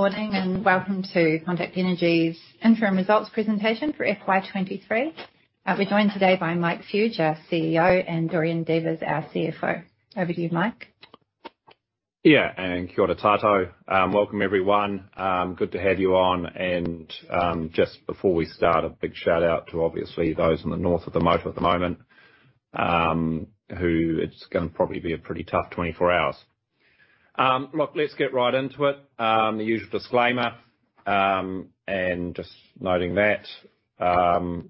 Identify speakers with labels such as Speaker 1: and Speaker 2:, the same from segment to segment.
Speaker 1: Morning. Welcome to Contact Energy's interim results presentation for FY 2023. We're joined today by Mike Fuge, our CEO, and Dorian Devers, our CFO. Over to you, Mike.
Speaker 2: Yeah, kia ora koutou. Welcome everyone. Good to have you on. Just before we start, a big shout out to obviously those in the north at the moment, who it's gonna probably be a pretty tough 24 hours. Look, let's get right into it. The usual disclaimer, just noting that,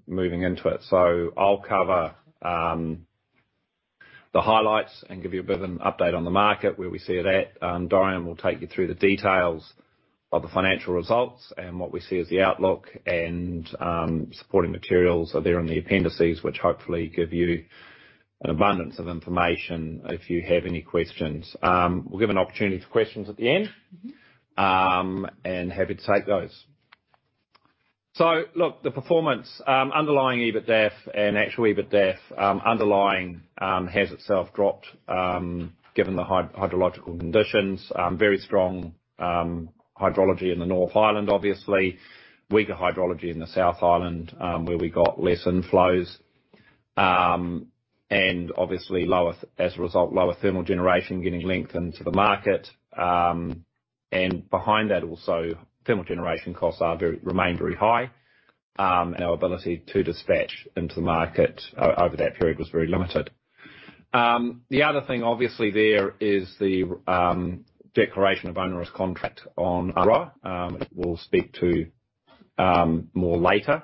Speaker 2: moving into it. I'll cover the highlights and give you a bit of an update on the market, where we see it at. Dorian will take you through the details of the financial results and what we see as the outlook and supporting materials are there in the appendices, which hopefully give you an abundance of information if you have any questions. We'll give an opportunity to questions at the end. Mm-hmm. Happy to take those. Look, the performance, underlying EBITDAF and actual EBITDAF, underlying, has itself dropped, given the hydrological conditions. Very strong hydrology in the North Island, obviously, weaker hydrology in the South Island, where we got less inflows. Obviously, as a result, lower thermal generation getting linked into the market. Behind that also, thermal generation costs remain very high. Our ability to dispatch into the market over that period was very limited. The other thing, obviously, there is the declaration of onerous contract on Ahuroa, which we'll speak to more later.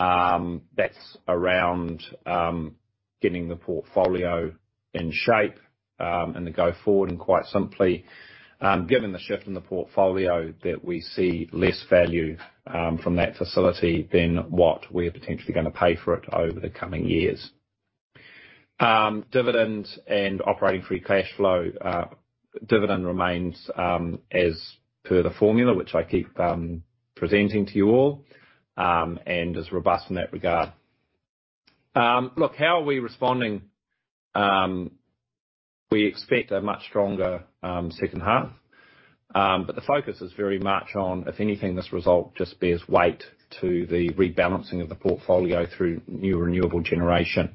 Speaker 2: That's around getting the portfolio in shape, and the go forward. Quite simply, given the shift in the portfolio that we see less value from that facility than what we're potentially gonna pay for it over the coming years. Dividends and operating free cash flow. Dividend remains as per the formula which I keep presenting to you all and is robust in that regard. Look, how are we responding? The focus is very much on, if anything, this result just bears weight to the rebalancing of the portfolio through new renewable generation.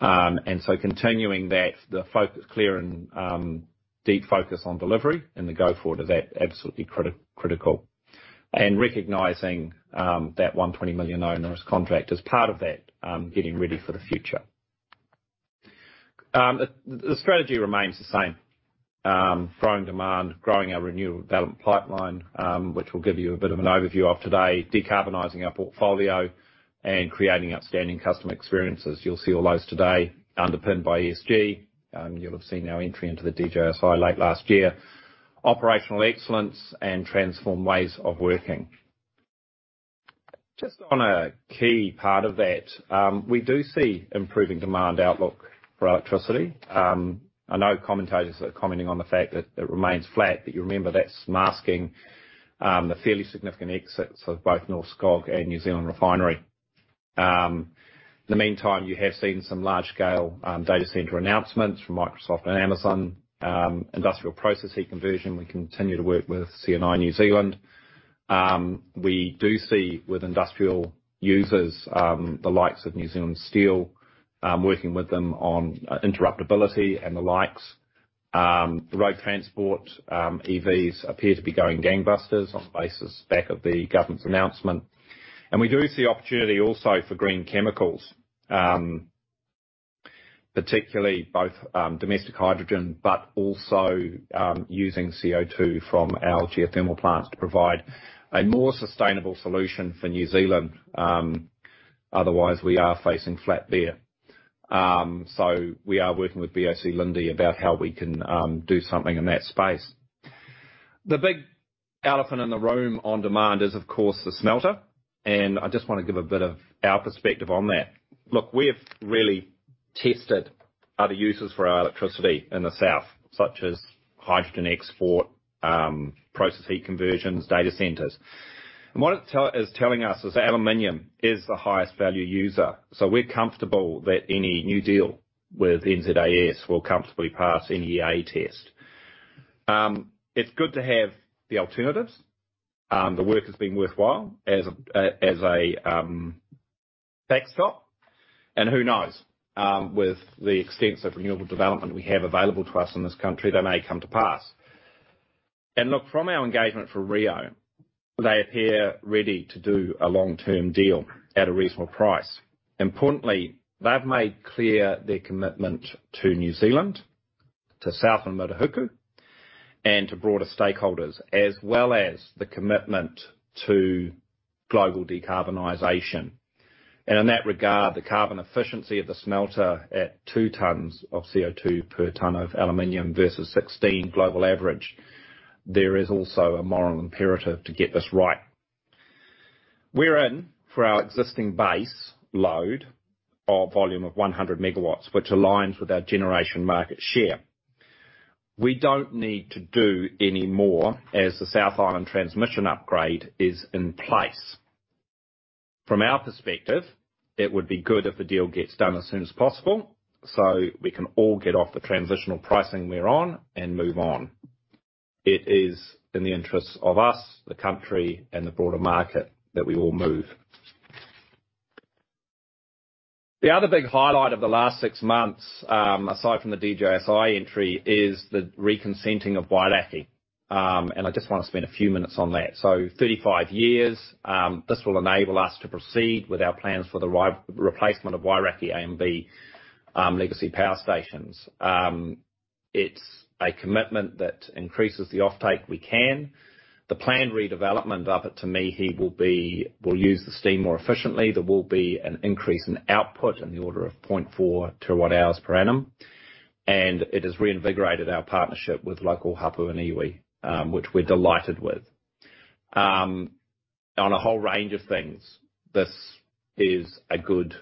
Speaker 2: Continuing that, the focus clear and deep focus on delivery and the go forward of that absolutely critical. Recognizing that 120 million onerous contract as part of that getting ready for the future. The strategy remains the same, growing demand, growing our renewable development pipeline, which we'll give you a bit of an overview of today, decarbonizing our portfolio and creating outstanding customer experiences. You'll see all those today underpinned by ESG. You'll have seen our entry into the DJSI late last year. Operational excellence and transform ways of working. Just on a key part of that, we do see improving demand outlook for electricity. I know commentators are commenting on the fact that it remains flat. You remember that's masking the fairly significant exits of both Northcote and New Zealand Refinery. In the meantime, you have seen some large scale data center announcements from Microsoft and Amazon. Industrial process heat conversion, we continue to work with C&I New Zealand. We do see with industrial users, the likes of New Zealand Steel, working with them on interruptibility and the likes. Road transport, EVs appear to be going gangbusters on the basis back of the government's announcement. We do see opportunity also for green chemicals, particularly both, domestic hydrogen, but also, using CO2 from our geothermal plants to provide a more sustainable solution for New Zealand. Otherwise we are facing flat there. We are working with BOC Linde about how we can do something in that space. The big elephant in the room on demand is of course the smelter, and I just wanna give a bit of our perspective on that. Look, we have really tested other uses for our electricity in the south, such as hydrogen export, process heat conversions, data centers. What it is telling us is aluminum is the highest value user, so we're comfortable that any new deal with NZAS will comfortably pass any EA test. It's good to have the alternatives. The work has been worthwhile as a backstop. Who knows, with the extensive renewable development we have available to us in this country, they may come to pass. Look, from our engagement for Rio, they appear ready to do a long-term deal at a reasonable price. Importantly, they've made clear their commitment to New Zealand, to Southland Murihiku, and to broader stakeholders, as well as the commitment to global decarbonization. In that regard, the carbon efficiency of the smelter at 2 tons of CO2 per ton of aluminum versus 16 global average, there is also a moral imperative to get this right. We're in for our existing base load of volume of 100 megawatts, which aligns with our generation market share. We don't need to do any more as the South Island transmission upgrade is in place. From our perspective, it would be good if the deal gets done as soon as possible, so we can all get off the transitional pricing we're on and move on. It is in the interests of us, the country, and the broader market that we all move. The other big highlight of the last six months, aside from the DJSI entry, is the re-consenting of Wairakei. I just want to spend a few minutes on that. 35 years, this will enable us to proceed with our plans for the replacement of Wairakei A and B, legacy power stations. It's a commitment that increases the offtake we can. The planned redevelopment of it, to me, he will use the steam more efficiently. There will be an increase in output in the order of 0.4 terawatt hours per annum, and it has reinvigorated our partnership with local hapū and iwi, which we're delighted with. On a whole range of things, this is a good,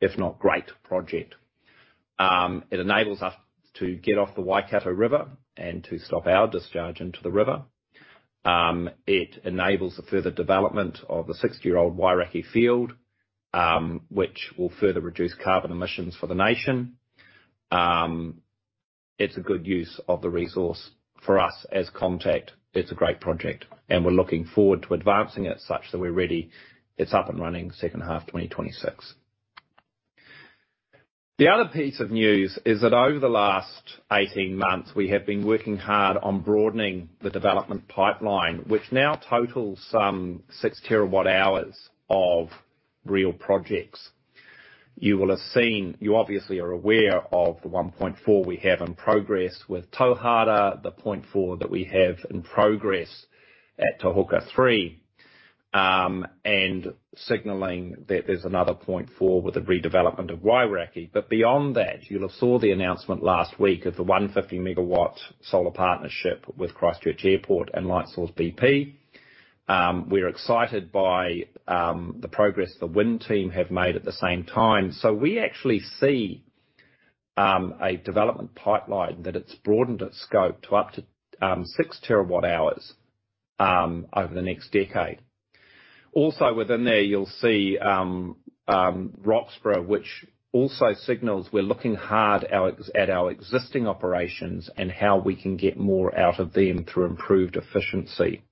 Speaker 2: if not great project. It enables us to get off the Waikato River and to stop our discharge into the river. It enables the further development of the 60-year-old Wairakei field, which will further reduce carbon emissions for the nation. It's a good use of the resource for us as Contact. It's a great project, and we're looking forward to advancing it such that we're ready. It's up and running second half 2026. The other piece of news is that over the last 18 months, we have been working hard on broadening the development pipeline, which now totals some 6 terawatt-hours of real projects. You obviously are aware of the 1.4 we have in progress with Tauhara, the 0.4 that we have in progress at Te Huka 3, and signaling that there's another 0.4 with the redevelopment of Wairakei. Beyond that, you'll have saw the announcement last week of the 150 MW solar partnership with Christchurch Airport and Lightsource bp. We're excited by the progress the wind team have made at the same time. We actually see a development pipeline that it's broadened its scope to up to 6 terawatt-hours over the next decade. Also within there, you'll see Roxburgh, which also signals we're looking hard at our existing operations and how we can get more out of them through improved efficiency.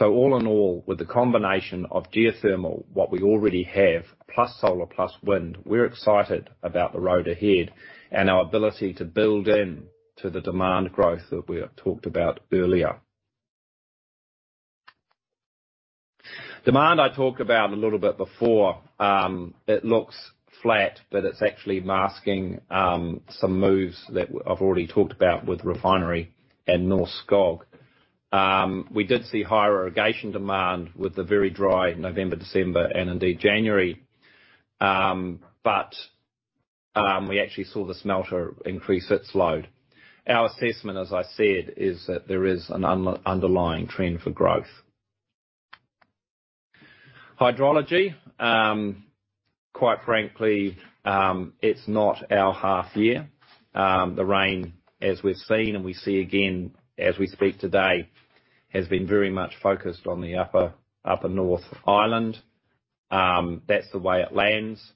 Speaker 2: All in all, with the combination of geothermal, what we already have, plus solar, plus wind, we're excited about the road ahead and our ability to build in to the demand growth that we have talked about earlier. Demand I talked about a little bit before, it looks flat, but it's actually masking some moves that I've already talked about with refinery and Northcote. We did see higher irrigation demand with the very dry November, December and indeed January. We actually saw the smelter increase its load. Our assessment, as I said, is that there is an underlying trend for growth. Hydrology, quite frankly, it's not our half year. The rain as we've seen, and we see again as we speak today, has been very much focused on the upper North Island. That's the way it lands.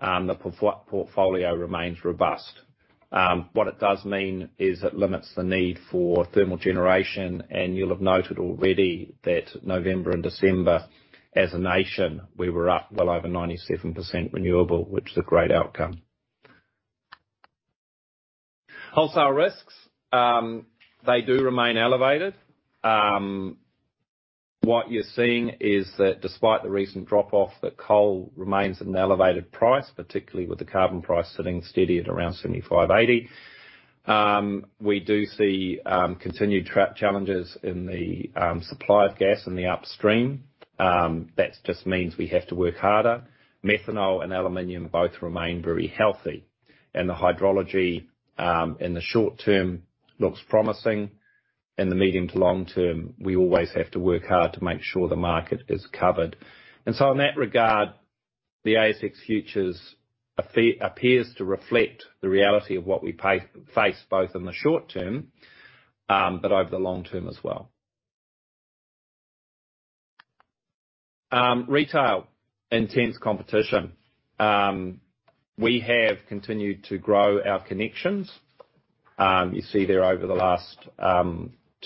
Speaker 2: The portfolio remains robust. What it does mean is it limits the need for thermal generation. You'll have noted already that November and December as a nation, we were up well over 97% renewable, which is a great outcome. Wholesale risks, they do remain elevated. What you're seeing is that despite the recent drop off, that coal remains at an elevated price, particularly with the carbon price sitting steady at around 75-80. We do see continued challenges in the supply of gas in the upstream. That just means we have to work harder. Methanol and aluminum both remain very healthy. The hydrology in the short term looks promising. In the medium to long term, we always have to work hard to make sure the market is covered. In that regard, the ASX futures appears to reflect the reality of what we face both in the short term, but over the long term as well. Retail, intense competition. We have continued to grow our connections. You see there over the last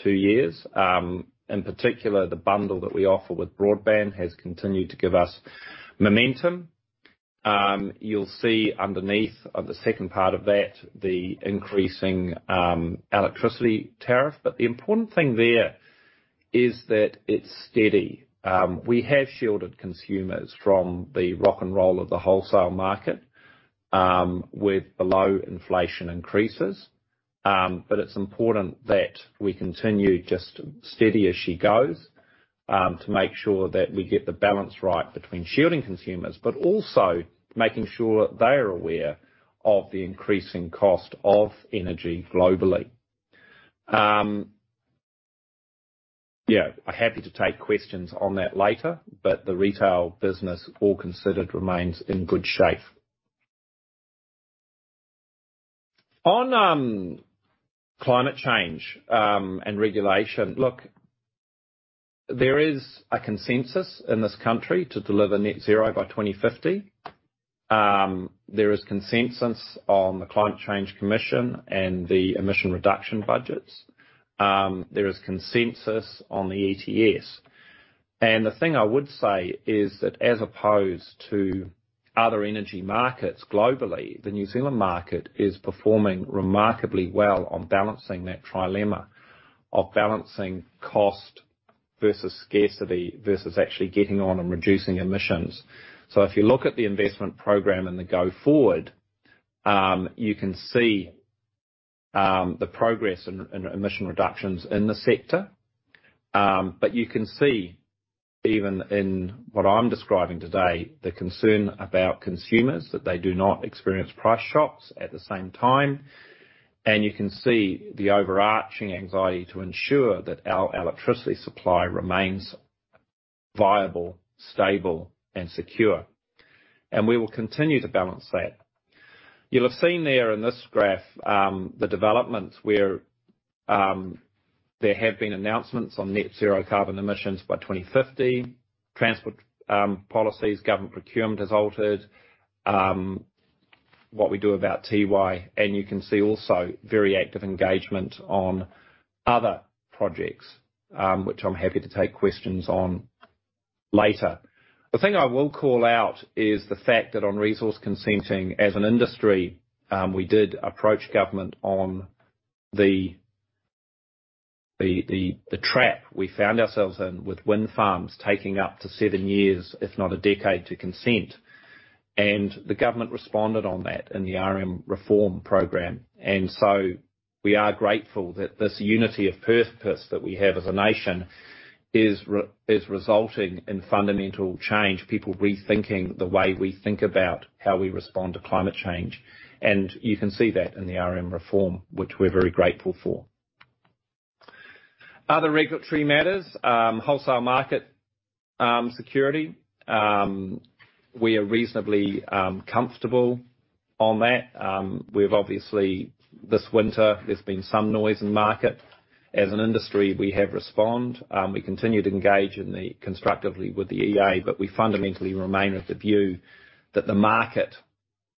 Speaker 2: two years, in particular, the bundle that we offer with broadband has continued to give us momentum. You'll see underneath of the second part of that, the increasing electricity tariff. The important thing there is that it's steady. We have shielded consumers from the rock and roll of the wholesale market with below inflation increases. It's important that we continue just steady as she goes to make sure that we get the balance right between shielding consumers, but also making sure they are aware of the increasing cost of energy globally. Yeah, happy to take questions on that later, but the retail business, all considered, remains in good shape. On climate change and regulation. Look, there is a consensus in this country to deliver net zero by 2050. There is consensus on the Climate Change Commission and the emission reduction budgets. There is consensus on the ETS. The thing I would say is that as opposed to other energy markets globally, the New Zealand market is performing remarkably well on balancing that trilemma of balancing cost versus scarcity, versus actually getting on and reducing emissions. If you look at the investment program and the go forward, you can see the progress in emission reductions in the sector. You can see even in what I'm describing today, the concern about consumers, that they do not experience price shocks at the same time. You can see the overarching anxiety to ensure that our electricity supply remains viable, stable and secure. We will continue to balance that. You'll have seen there in this graph, the developments where there have been announcements on net zero carbon emissions by 2050, transport policies, government procurement has altered what we do about TY. You can see also very active engagement on other projects, which I'm happy to take questions on later. The thing I will call out is the fact that on resource consenting as an industry, we did approach government on the trap we found ourselves in with wind farms taking up to seven years, if not a decade, to consent. The government responded on that in the RM reform program. We are grateful that this unity of purpose that we have as a nation is resulting in fundamental change. People rethinking the way we think about how we respond to climate change. You can see that in the RM reform, which we're very grateful for. Other regulatory matters, wholesale market, security. We are reasonably comfortable on that. We've obviously... this winter there's been some noise in market. As an industry, we have respond. We continue to engage constructively with the EA, we fundamentally remain of the view that the market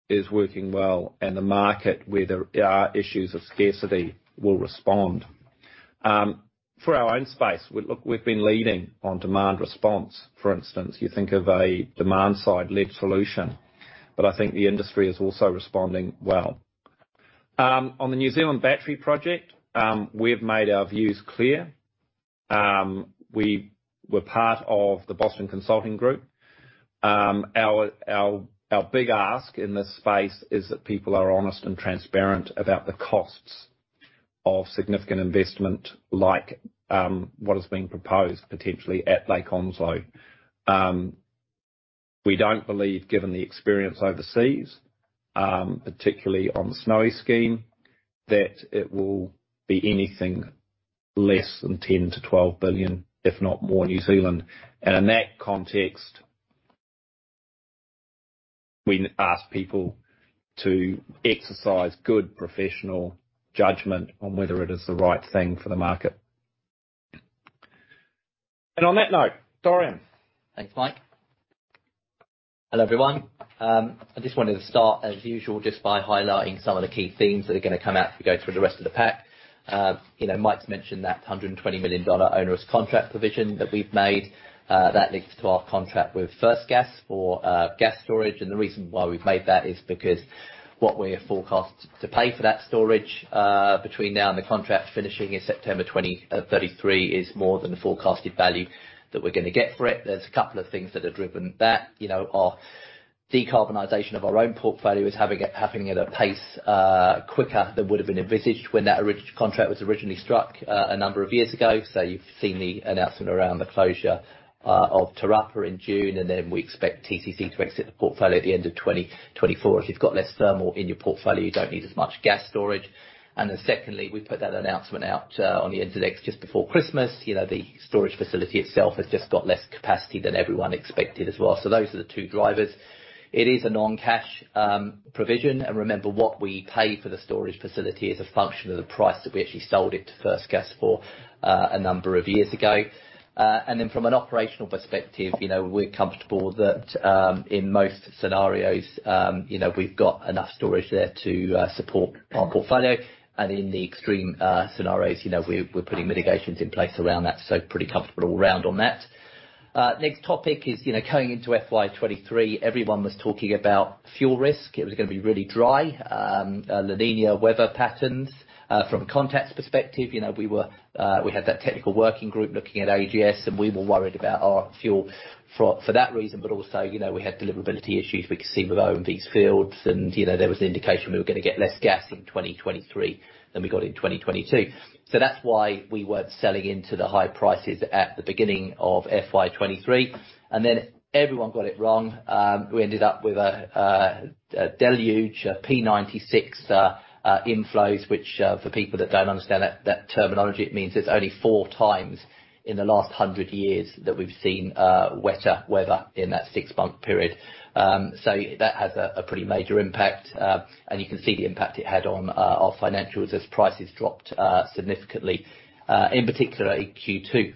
Speaker 2: is working well and the market where there are issues of scarcity will respond. For our own space, we've been leading on demand response. For instance, you think of a demand-side-led solution. I think the industry is also responding well. On the New Zealand Battery Project, we've made our views clear. We were part of the Boston Consulting Group. Our big ask in this space is that people are honest and transparent about the costs of significant investment like what is being proposed potentially at Lake Onslow. We don't believe, given the experience overseas, particularly on the Snowy scheme, that it will be anything less than 10 billion-12 billion, if not more. In that context, we ask people to exercise good professional judgment on whether it is the right thing for the market. On that note, Dorian.
Speaker 3: Thanks, Mike. Hello, everyone. I just wanted to start, as usual, just by highlighting some of the key themes that are gonna come out as we go through the rest of the pack. You know, Mike's mentioned that 120 million dollar onerous contract provision that we've made, that links to our contract with First Gas for gas storage. The reason why we've made that is because what we have forecast to pay for that storage, between now and the contract finishing in September 2033, is more than the forecasted value that we're gonna get for it. There's a couple of things that have driven that. You know, our decarbonization of our own portfolio is happening at a pace quicker than would have been envisaged when that original contract was originally struck, a number of years ago. You've seen the announcement around the closure of Te Rapa in June, we expect TCC to exit the portfolio at the end of 2024. If you've got less thermal in your portfolio, you don't need as much gas storage. Secondly, we put that announcement out on the NZX just before Christmas. You know, the storage facility itself has just got less capacity than everyone expected as well. Those are the two drivers. It is a non-cash provision. Remember, what we paid for the storage facility is a function of the price that we actually sold it to First Gas for a number of years ago. From an operational perspective, you know, we're comfortable that in most scenarios, you know, we've got enough storage there to support our portfolio. In the extreme scenarios, you know, we're putting mitigations in place around that. Pretty comfortable all round on that. Next topic is, you know, coming into FY 2023, everyone was talking about fuel risk. It was gonna be really dry. La Niña weather patterns. From a Contact's perspective, you know, we had that technical working group looking at AGS, and we were worried about our fuel for that reason, but also, you know, we had deliverability issues we could see with OMV's fields and, you know, there was an indication we were gonna get less gas in 2023 than we got in 2022. That's why we weren't selling into the high prices at the beginning of FY 2023. Everyone got it wrong. We ended up with a deluge of P96 inflows which for people that don't understand terminology, it means there's only 4 times in the last 100 years that we've seen wetter weather in that six-month period. That has a pretty major impact. You can see the impact it had on our financials as prices dropped significantly in particular in Q2.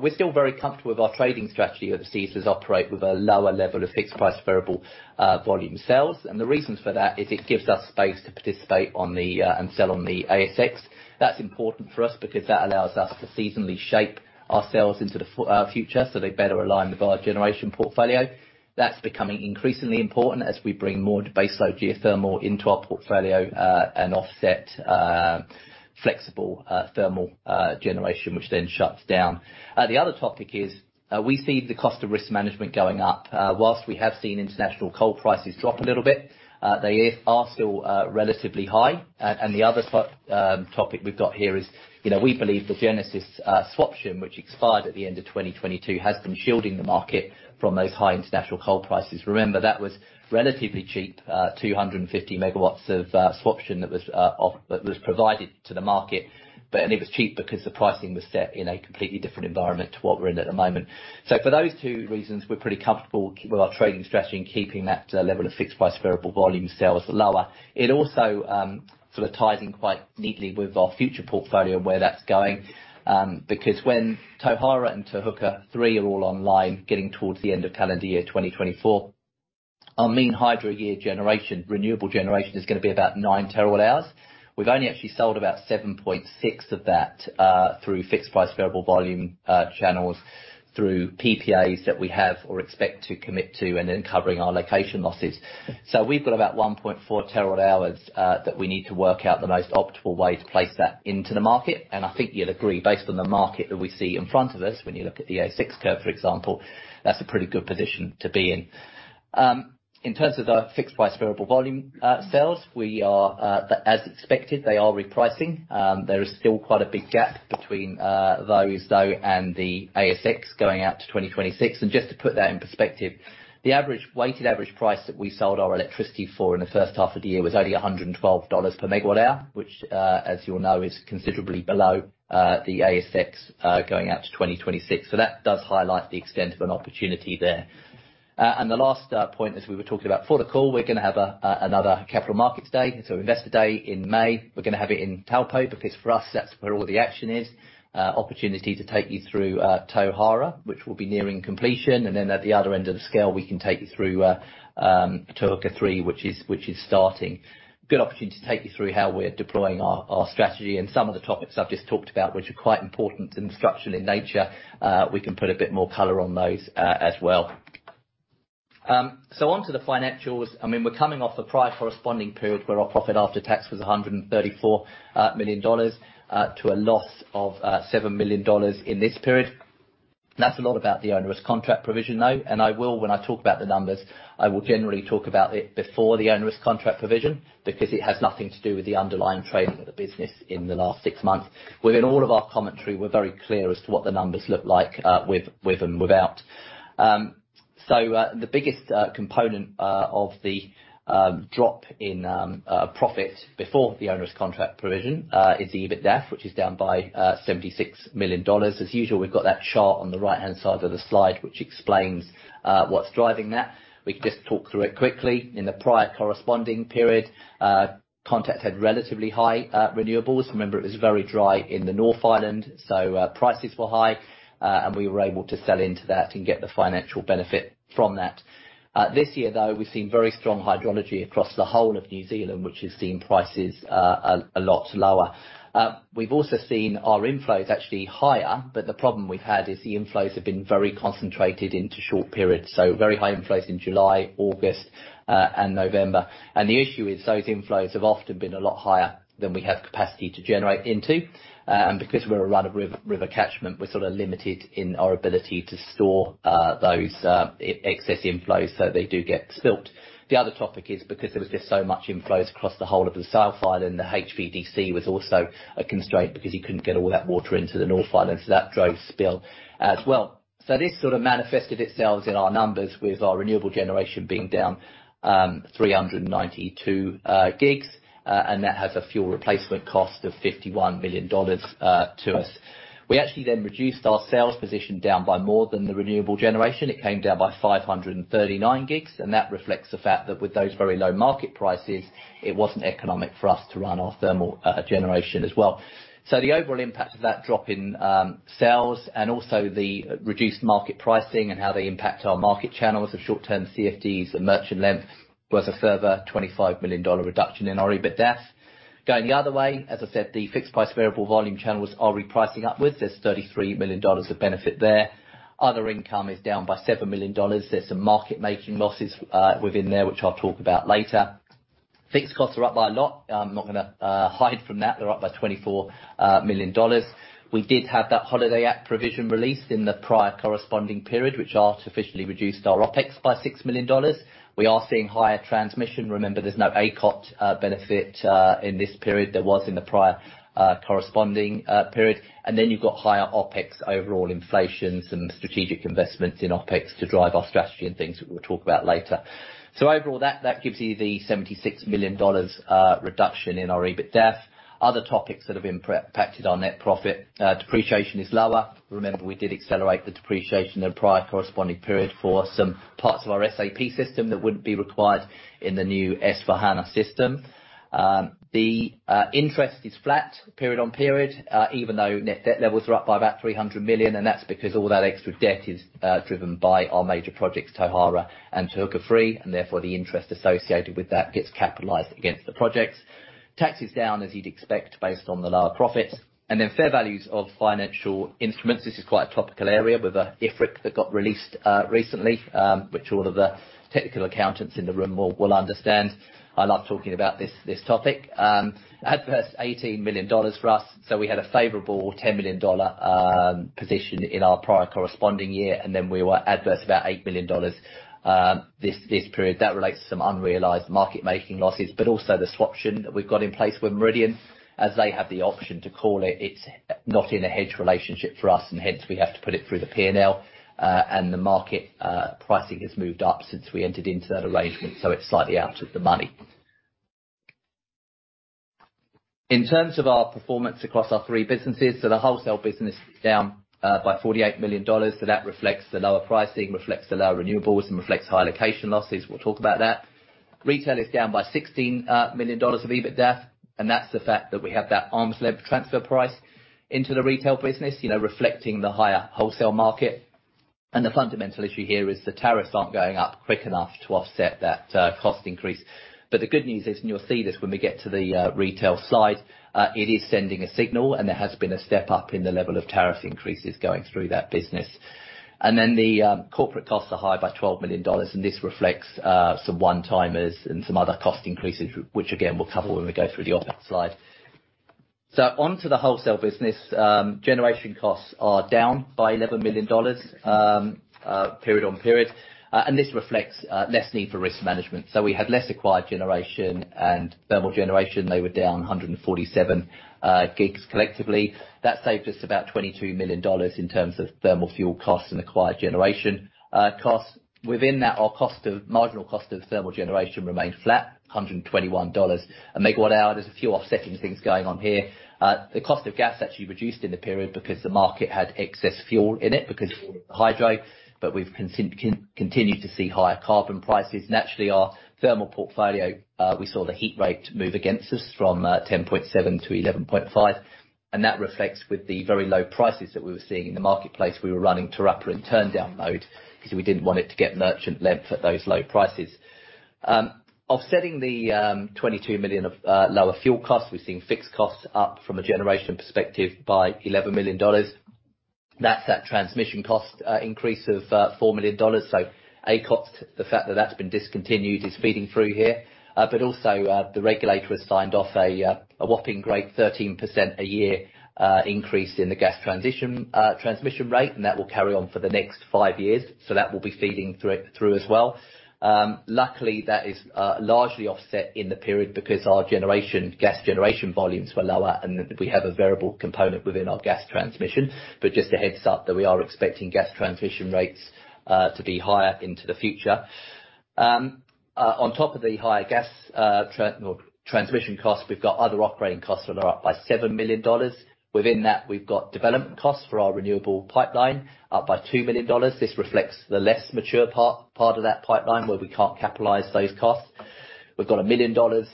Speaker 3: We're still very comfortable with our trading strategy overseas as operate with a lower level of fixed price variable volume sales. The reasons for that is it gives us space to participate on the and sell on the ASX. That's important for us because that allows us to seasonally shape our sales into our future, so they better align with our generation portfolio. That's becoming increasingly important as we bring more baseload geothermal into our portfolio and offset flexible thermal generation, which shuts down. The other topic is we see the cost of risk management going up. Whilst we have seen international coal prices drop a little bit, they are still relatively high. The other topic we've got here is, you know, we believe the Genesis swap option, which expired at the end of 2022, has been shielding the market from those high international coal prices. Remember, that was relatively cheap, 250 MW of swap option that was provided to the market, and it was cheap because the pricing was set in a completely different environment to what we're in at the moment. For those two reasons, we're pretty comfortable with our trading strategy and keeping that level of fixed price variable volume sales lower. It also sort of ties in quite neatly with our future portfolio and where that's going, because when Tauhara and Te Huka three are all online, getting towards the end of calendar year 2024, our mean hydro year generation, renewable generation is gonna be about 9 terawatt-hours. We've only actually sold about 7.6 of that through fixed price variable volume channels, through PPAs that we have or expect to commit to, and then covering our location losses. We've got about 1.4 terawatt-hours that we need to work out the most optimal way to place that into the market. I think you'd agree based on the market that we see in front of us, when you look at the ASX curve, for example, that's a pretty good position to be in. In terms of the fixed price variable volume sales, we are as expected, they are repricing. There is still quite a big gap between those though, and the ASX going out to 2026. Just to put that in perspective, the weighted average price that we sold our electricity for in the first half of the year was only 112 dollars per MWh, which, as you all know, is considerably below the ASX going out to 2026. That does highlight the extent of an opportunity there. The last point, as we were talking about for the call, we're gonna have another capital markets day. Investor Day in May, we're gonna have it in Taupō, because for us, that's where all the action is. Opportunity to take you through Tauhara, which will be nearing completion. Then at the other end of the scale, we can take you through Te Huka 3, which is starting. Good opportunity to take you through how we're deploying our strategy and some of the topics I've just talked about, which are quite important and structural in nature. We can put a bit more color on those as well. On to the financials. We're coming off the prior corresponding period where our profit after tax was 134 million dollars to a loss of 7 million dollars in this period. That's a lot about the ownerist contract provision, though. I will, when I talk about the numbers, I will generally talk about it before the ownerist contract provision because it has nothing to do with the underlying trading of the business in the last six months. Within all of our commentary, we're very clear as to what the numbers look like with and without. The biggest component of the drop in profit before the ownerist contract provision is the EBITDAF, which is down by 76 million dollars. As usual, we've got that chart on the right-hand side of the slide, which explains what's driving that. We can just talk through it quickly. In the prior corresponding period, Contacts had relatively high renewables. Remember, it was very dry in the North Island, so prices were high, and we were able to sell into that and get the financial benefit from that. This year, though, we've seen very strong hydrology across the whole of New Zealand, which has seen prices a lot lower. We've also seen our inflows actually higher, but the problem we've had is the inflows have been very concentrated into short periods, so very high inflows in July, August, and November. The issue is those inflows have often been a lot higher than we have capacity to generate into. Because we're a run-of-river catchment, we're sort of limited in our ability to store those excess inflows so they do get spilled. The other topic is because there was just so much inflows across the whole of the South Island, the HVDC was also a constraint because you couldn't get all that water into the North Island, so that drove spill as well. This sort of manifested itself in our numbers with our renewable generation being down 392 GWh, and that has a fuel replacement cost of 51 million dollars to us. We actually then reduced our sales position down by more than the renewable generation. It came down by 539 GWh. That reflects the fact that with those very low market prices, it wasn't economic for us to run our thermal generation as well. The overall impact of that drop in sales and also the reduced market pricing and how they impact our market channels, the short-term CFTs, the merchant length, was a further 25 million dollar reduction in our EBITDAF. Going the other way, as I said, the fixed price variable volume channels are repricing upwards. There's 33 million dollars of benefit there. Other income is down by 7 million dollars. There's some market making losses within there, which I'll talk about later. Fixed costs are up by a lot. I'm not gonna hide from that. They're up by 24 million dollars. We did have that Holidays Act provision released in the prior corresponding period, which artificially reduced our OpEx by 6 million dollars. We are seeing higher transmission. Remember, there's no ACOT benefit in this period. There was in the prior corresponding period. You've got higher OpEx overall inflation, some strategic investments in OpEx to drive our strategy and things that we'll talk about later. Overall, that gives you the 76 million dollars reduction in our EBITDAF. Other topics that have impacted our net profit, depreciation is lower. Remember, we did accelerate the depreciation in the prior corresponding period for some parts of our SAP system that wouldn't be required in the new S/4HANA system. The interest is flat period on period, even though net debt levels are up by about 300 million, and that's because all that extra debt is driven by our major projects, Tauhara and Te Huka 3, and therefore the interest associated with that gets capitalized against the projects. Tax is down as you'd expect based on the lower profits. Fair values of financial instruments. This is quite a topical area with the IFRIC that got released recently, which all of the technical accountants in the room will understand. I like talking about this topic. Adverse 80 million dollars for us. We had a favorable 10 million dollar position in our prior corresponding year, and then we were adverse about 8 million dollars this period. That relates to some unrealized market making losses, but also the swaption that we've got in place with Meridian, as they have the option to call it. It's not in a hedge relationship for us, and hence we have to put it through the P&L, and the market pricing has moved up since we entered into that arrangement, so it's slightly out of the money. In terms of our performance across our three businesses, the wholesale business is down by 48 million dollars. That reflects the lower pricing, reflects the lower renewables, and reflects higher location losses. We'll talk about that. Retail is down by 16 million dollars of EBITDAF. That's the fact that we have that arm's length transfer price into the retail business, you know, reflecting the higher wholesale market. The fundamental issue here is the tariffs aren't going up quick enough to offset that cost increase. The good news is, and you'll see this when we get to the retail slide, it is sending a signal, and there has been a step up in the level of tariff increases going through that business. The corporate costs are high by 12 million dollars, and this reflects some one-timers and some other cost increases, which again, we'll cover when we go through the audit slide. Onto the wholesale business, generation costs are down by 11 million dollars period on period. This reflects less need for risk management. We had less acquired generation and thermal generation. They were down 147 GWh collectively. That saved us about 22 million dollars in terms of thermal fuel costs and acquired generation costs. Within that, our marginal cost of thermal generation remained flat, 121 dollars a megawatt hour. There's a few offsetting things going on here. The cost of gas actually reduced in the period because the market had excess fuel in it because of the hydro, but we've continued to see higher carbon prices. Naturally, our thermal portfolio, we saw the heat rate move against us from 10.7 to 11.5, and that reflects with the very low prices that we were seeing in the marketplace. We were running Te Rapa in turndown mode because we didn't want it to get merchant length at those low prices. Offsetting the 22 million of lower fuel costs, we've seen fixed costs up from a generation perspective by 11 million dollars. That's that transmission cost increase of 4 million dollars. ACOT, the fact that that's been discontinued is feeding through here. Also, the regulator has signed off a whopping great 13% a year increase in the gas transmission rate, and that will carry on for the next five years. That will be feeding through as well. Luckily, that is largely offset in the period because our generation, gas generation volumes were lower, and we have a variable component within our gas transmission. Just a heads-up that we are expecting gas transmission rates to be higher into the future. On top of the higher gas transmission costs, we've got other operating costs that are up by 7 million dollars. Within that, we've got development costs for our renewable pipeline up by 2 million dollars. This reflects the less mature part of that pipeline where we can't capitalize those costs. We've got 1 million dollars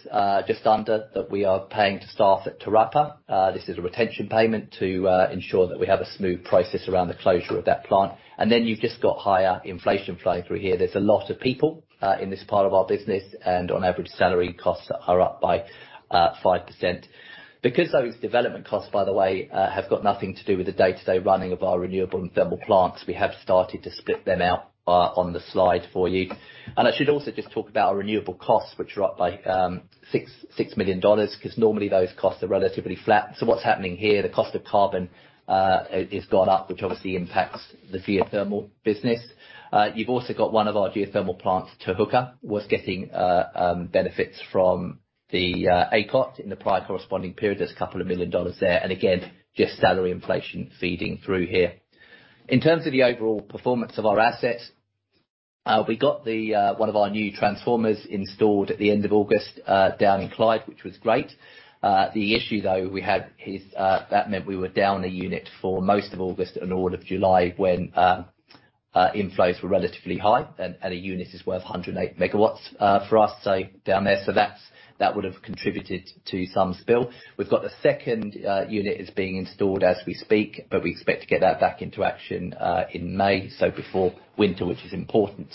Speaker 3: just under that we are paying to staff at Te Rapa. This is a retention payment to ensure that we have a smooth process around the closure of that plant. You've just got higher inflation flowing through here. There's a lot of people in this part of our business, and on average, salary costs are up by 5%. Because those development costs, by the way, have got nothing to do with the day-to-day running of our renewable and thermal plants, we have started to split them out on the slide for you. I should also just talk about our renewable costs, which are up by 6 million dollars, 'cause normally those costs are relatively flat. What's happening here, the cost of carbon is gone up, which obviously impacts the geothermal business. You've also got one of our geothermal plants, Te Huka, was getting benefits from the ACOT in the prior corresponding period. There's a couple of million dollars there, and again, just salary inflation feeding through here. In terms of the overall performance of our assets, we got one of our new transformers installed at the end of August down in Clyde, which was great. The issue though we had is that meant we were down a unit for most of August and all of July when inflows were relatively high and a unit is worth 108 megawatts for us, say, down there. That's, that would've contributed to some spill. We've got the second unit is being installed as we speak, but we expect to get that back into action in May, so before winter, which is important.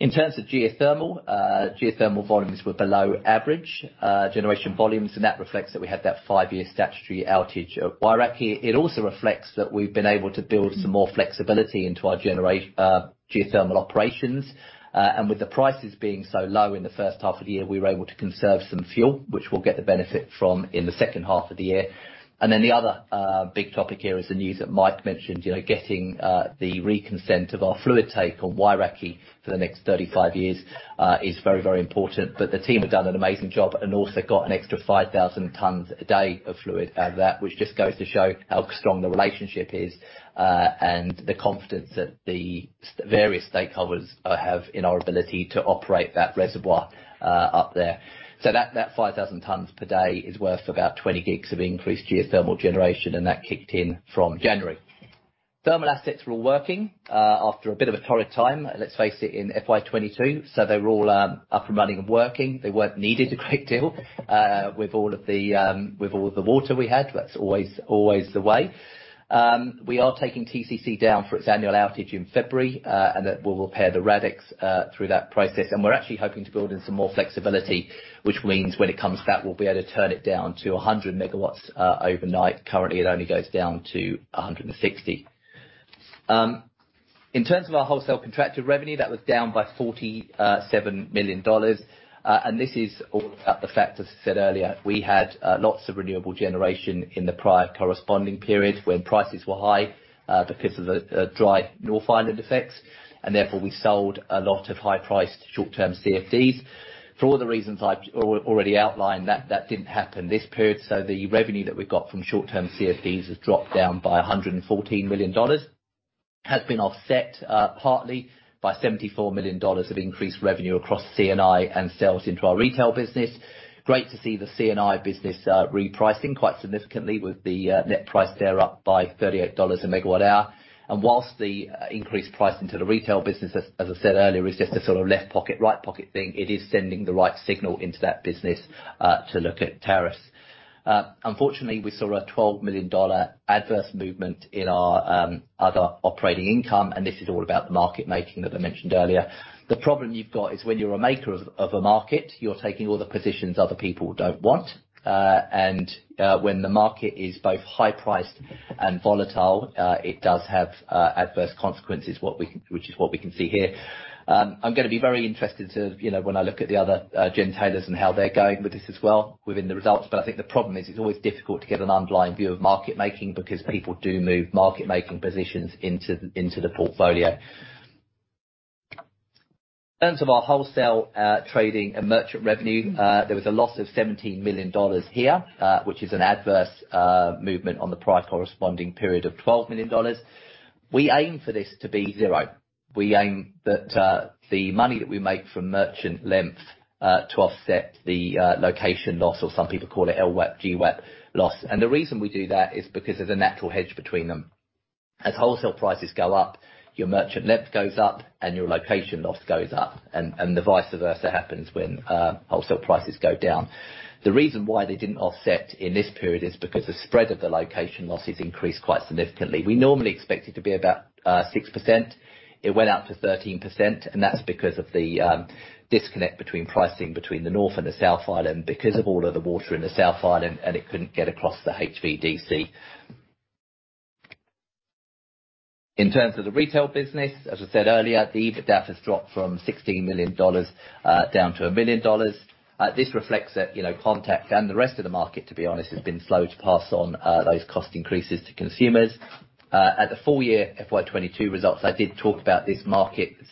Speaker 3: In terms of geothermal volumes were below average generation volumes, and that reflects that we had that five-year statutory outage at Wairakei. It also reflects that we've been able to build some more flexibility into our geothermal operations, and with the prices being so low in the first half of the year, we were able to conserve some fuel, which we'll get the benefit from in the second half of the year. The other big topic here is the news that Mike mentioned, you know, getting the reconsent of our fluid take on Wairakei for the next 35 years, is very, very important. The team have done an amazing job and also got an extra 5,000 tons a day of fluid out of that, which just goes to show how strong the relationship is, and the confidence that the various stakeholders have in our ability to operate that reservoir up there. That 5,000 tons per day is worth about 20 GWh of increased geothermal generation, and that kicked in from January. Thermal assets were all working after a bit of a torrid time, let's face it, in FY 2022. They were all up and running and working. They weren't needed a great deal with all of the water we had. That's always the way. We are taking TCC down for its annual outage in February, and that we'll repair the radix through that process. We're actually hoping to build in some more flexibility, which means when it comes back, we'll be able to turn it down to 100 MW overnight. Currently, it only goes down to 160 MW. In terms of our wholesale contracted revenue, that was down by 47 million dollars. This is all about the fact, as I said earlier, we had lots of renewable generation in the prior corresponding period when prices were high because of the dry North Island effects, and therefore we sold a lot of high-priced short-term CFDs. For all the reasons I already outlined, that didn't happen this period, so the revenue that we got from short-term CFDs has dropped down by 114 million dollars. Has been offset partly by 74 million dollars of increased revenue across C&I and sales into our retail business. Great to see the C&I business repricing quite significantly with the net price there up by 38 dollars a megawatt hour. Whilst the increased pricing to the retail business, as I said earlier, is just a sort of left pocket, right pocket thing, it is sending the right signal into that business to look at tariffs. Unfortunately, we saw a 12 million dollar adverse movement in our other operating income, and this is all about the market making that I mentioned earlier. The problem you've got is when you're a maker of a market, you're taking all the positions other people don't want. When the market is both high priced and volatile, it does have adverse consequences, which is what we can see here. I'm gonna be very interested to, you know, when I look at the other generators and how they're going with this as well within the results. I think the problem is it's always difficult to get an underlying view of market making because people do move market making positions into the portfolio. In terms of our wholesale trading and merchant revenue, there was a loss of 17 million dollars here, which is an adverse movement on the price corresponding period of 12 million dollars. We aim for this to be zero. We aim that the money that we make from merchant length to offset the location loss, or some people call it LWEB, GWEB loss. The reason we do that is because there's a natural hedge between them. As wholesale prices go up, your merchant length goes up, and your location loss goes up, and the vice versa happens when wholesale prices go down. The reason why they didn't offset in this period is because the spread of the location losses increased quite significantly. We normally expect it to be about 6%. It went out to 13%, and that's because of the disconnect between pricing between the North and the South Island because of all of the water in the South Island, and it couldn't get across the HVDC. In terms of the retail business, as I said earlier, the EBITDA has dropped from 16 million dollars down to 1 million dollars. This reflects that, you know, Contact and the rest of the market, to be honest, has been slow to pass on those cost increases to consumers. At the full year FY22 results, I did talk about this market's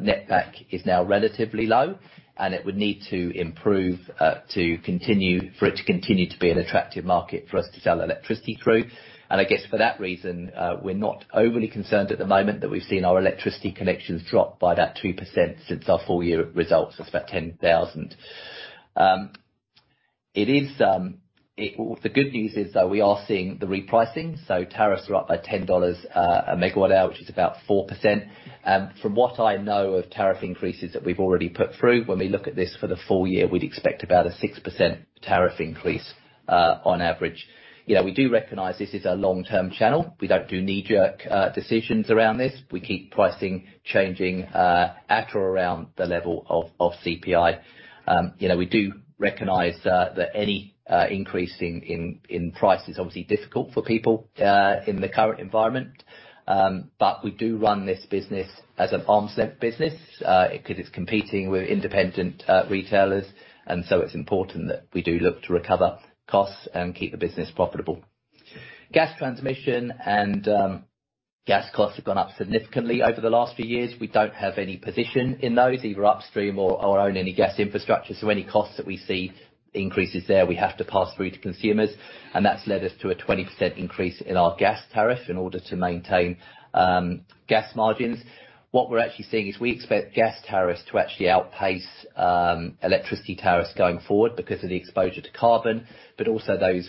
Speaker 3: net back is now relatively low, and it would need to improve for it to continue to be an attractive market for us to sell electricity through. I guess for that reason, we're not overly concerned at the moment that we've seen our electricity connections drop by about 2% since our full year results of about 10,000. The good news is, though, we are seeing the repricing. Tariffs are up by 10 dollars a megawatt hour, which is about 4%. From what I know of tariff increases that we've already put through, when we look at this for the full year, we'd expect about a 6% tariff increase on average. You know, we do recognize this is a long-term channel. We don't do knee-jerk decisions around this. We keep pricing changing at or around the level of CPI. You know, we do recognize that any increase in price is obviously difficult for people in the current environment. We do run this business as an arm's length business because it's competing with independent retailers, and so it's important that we do look to recover costs and keep the business profitable. Gas transmission and gas costs have gone up significantly over the last few years. We don't have any position in those, either upstream or own any gas infrastructure. Any costs that we see increases there, we have to pass through to consumers, and that's led us to a 20% increase in our gas tariff in order to maintain gas margins. What we're actually seeing is we expect gas tariffs to actually outpace electricity tariffs going forward because of the exposure to carbon, but also those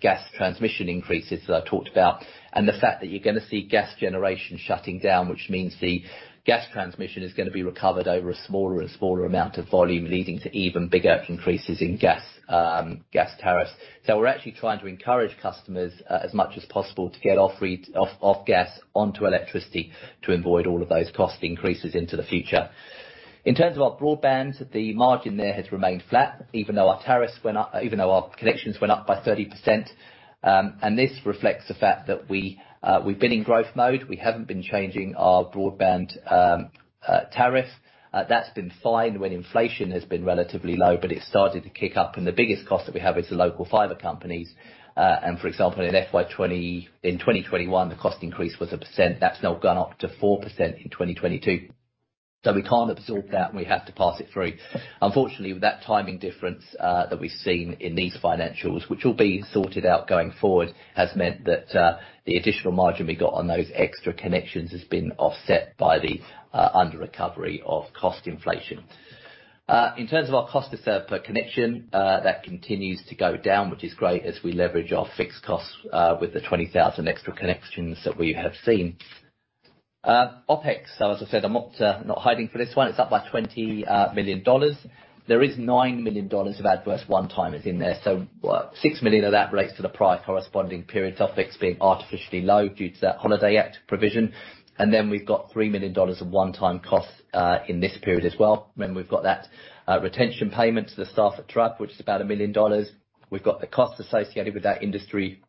Speaker 3: gas transmission increases that I talked about, and the fact that you're gonna see gas generation shutting down, which means the gas transmission is gonna be recovered over a smaller and smaller amount of volume, leading to even bigger increases in gas tariffs. We're actually trying to encourage customers as much as possible to get off gas onto electricity to avoid all of those cost increases into the future. In terms of our broadband, the margin there has remained flat even though our connections went up by 30%. This reflects the fact that we've been in growth mode. We haven't been changing our broadband tariff. That's been fine when inflation has been relatively low, but it's started to kick up, and the biggest cost that we have is the local fiber companies. For example, in 2021, the cost increase was 1%. That's now gone up to 4% in 2022. We can't absorb that, and we have to pass it through. Unfortunately, with that timing difference that we've seen in these financials, which will be sorted out going forward, has meant that the additional margin we got on those extra connections has been offset by the underrecovery of cost inflation. In terms of our cost to serve per connection, that continues to go down, which is great as we leverage our fixed costs with the 20,000 extra connections that we have seen. OpEx, as I said, I'm not not hiding for this one. It's up by 20 million dollars. There is 9 million dollars of adverse one-timers in there, 6 million of that relates to the prior corresponding period topics being artificially low due to that Holidays Act provision. We've got 3 million dollars of one-time costs in this period as well. We've got that retention payment to the staff at Trust, which is about 1 million dollars. We've got the costs associated with that industry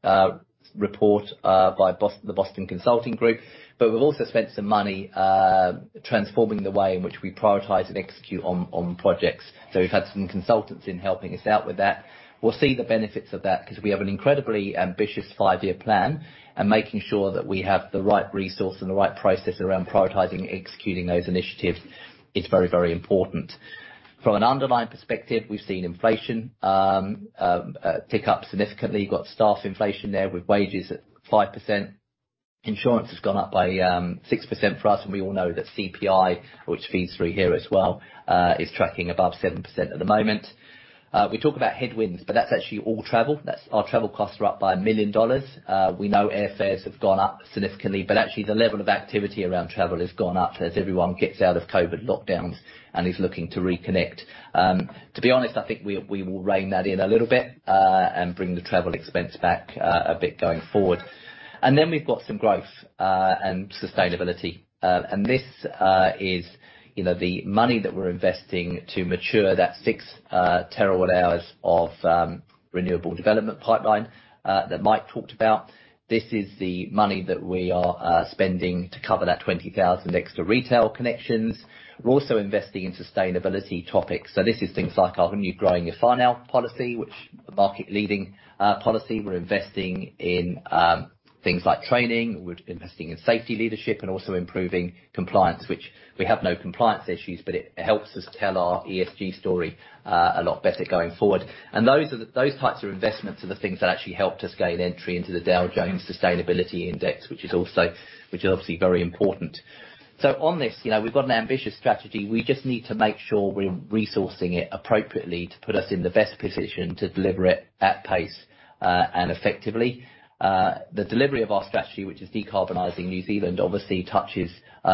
Speaker 3: report by the Boston Consulting Group. We've also spent some money transforming the way in which we prioritize and execute on projects. We've had some consultants in helping us out with that. We'll see the benefits of that 'cause we have an incredibly ambitious five-year plan, and making sure that we have the right resource and the right process around prioritizing and executing those initiatives is very important. From an underlying perspective, we've seen inflation tick up significantly. Got staff inflation there with wages at 5%. Insurance has gone up by 6% for us, and we all know that CPI, which feeds through here as well, is tracking above 7% at the moment. We talk about headwinds, but that's actually all travel. That's our travel costs are up by 1 million dollars. We know airfares have gone up significantly, but actually the level of activity around travel has gone up as everyone gets out of COVID lockdowns and is looking to reconnect. To be honest, I think we will rein that in a little bit and bring the travel expense back a bit going forward. We've got some growth and sustainability. This is, you know, the money that we're investing to mature that 6 terawatt hours of renewable development pipeline that Mike talked about. This is the money that we are spending to cover that 20,000 extra retail connections. We're also investing in sustainability topics. This is things like our new Growing Your Future policy, which a market-leading policy. We're investing in things like training. We're investing in safety leadership and also improving compliance, which we have no compliance issues, but it helps us tell our ESG story a lot better going forward. Those types of investments are the things that actually helped us gain entry into the Dow Jones Sustainability Index, which is obviously very important. On this, you know, we've got an ambitious strategy. We just need to make sure we're resourcing it appropriately to put us in the best position to deliver it at pace and effectively. The delivery of our strategy, which is decarbonizing New Zealand, obviously touches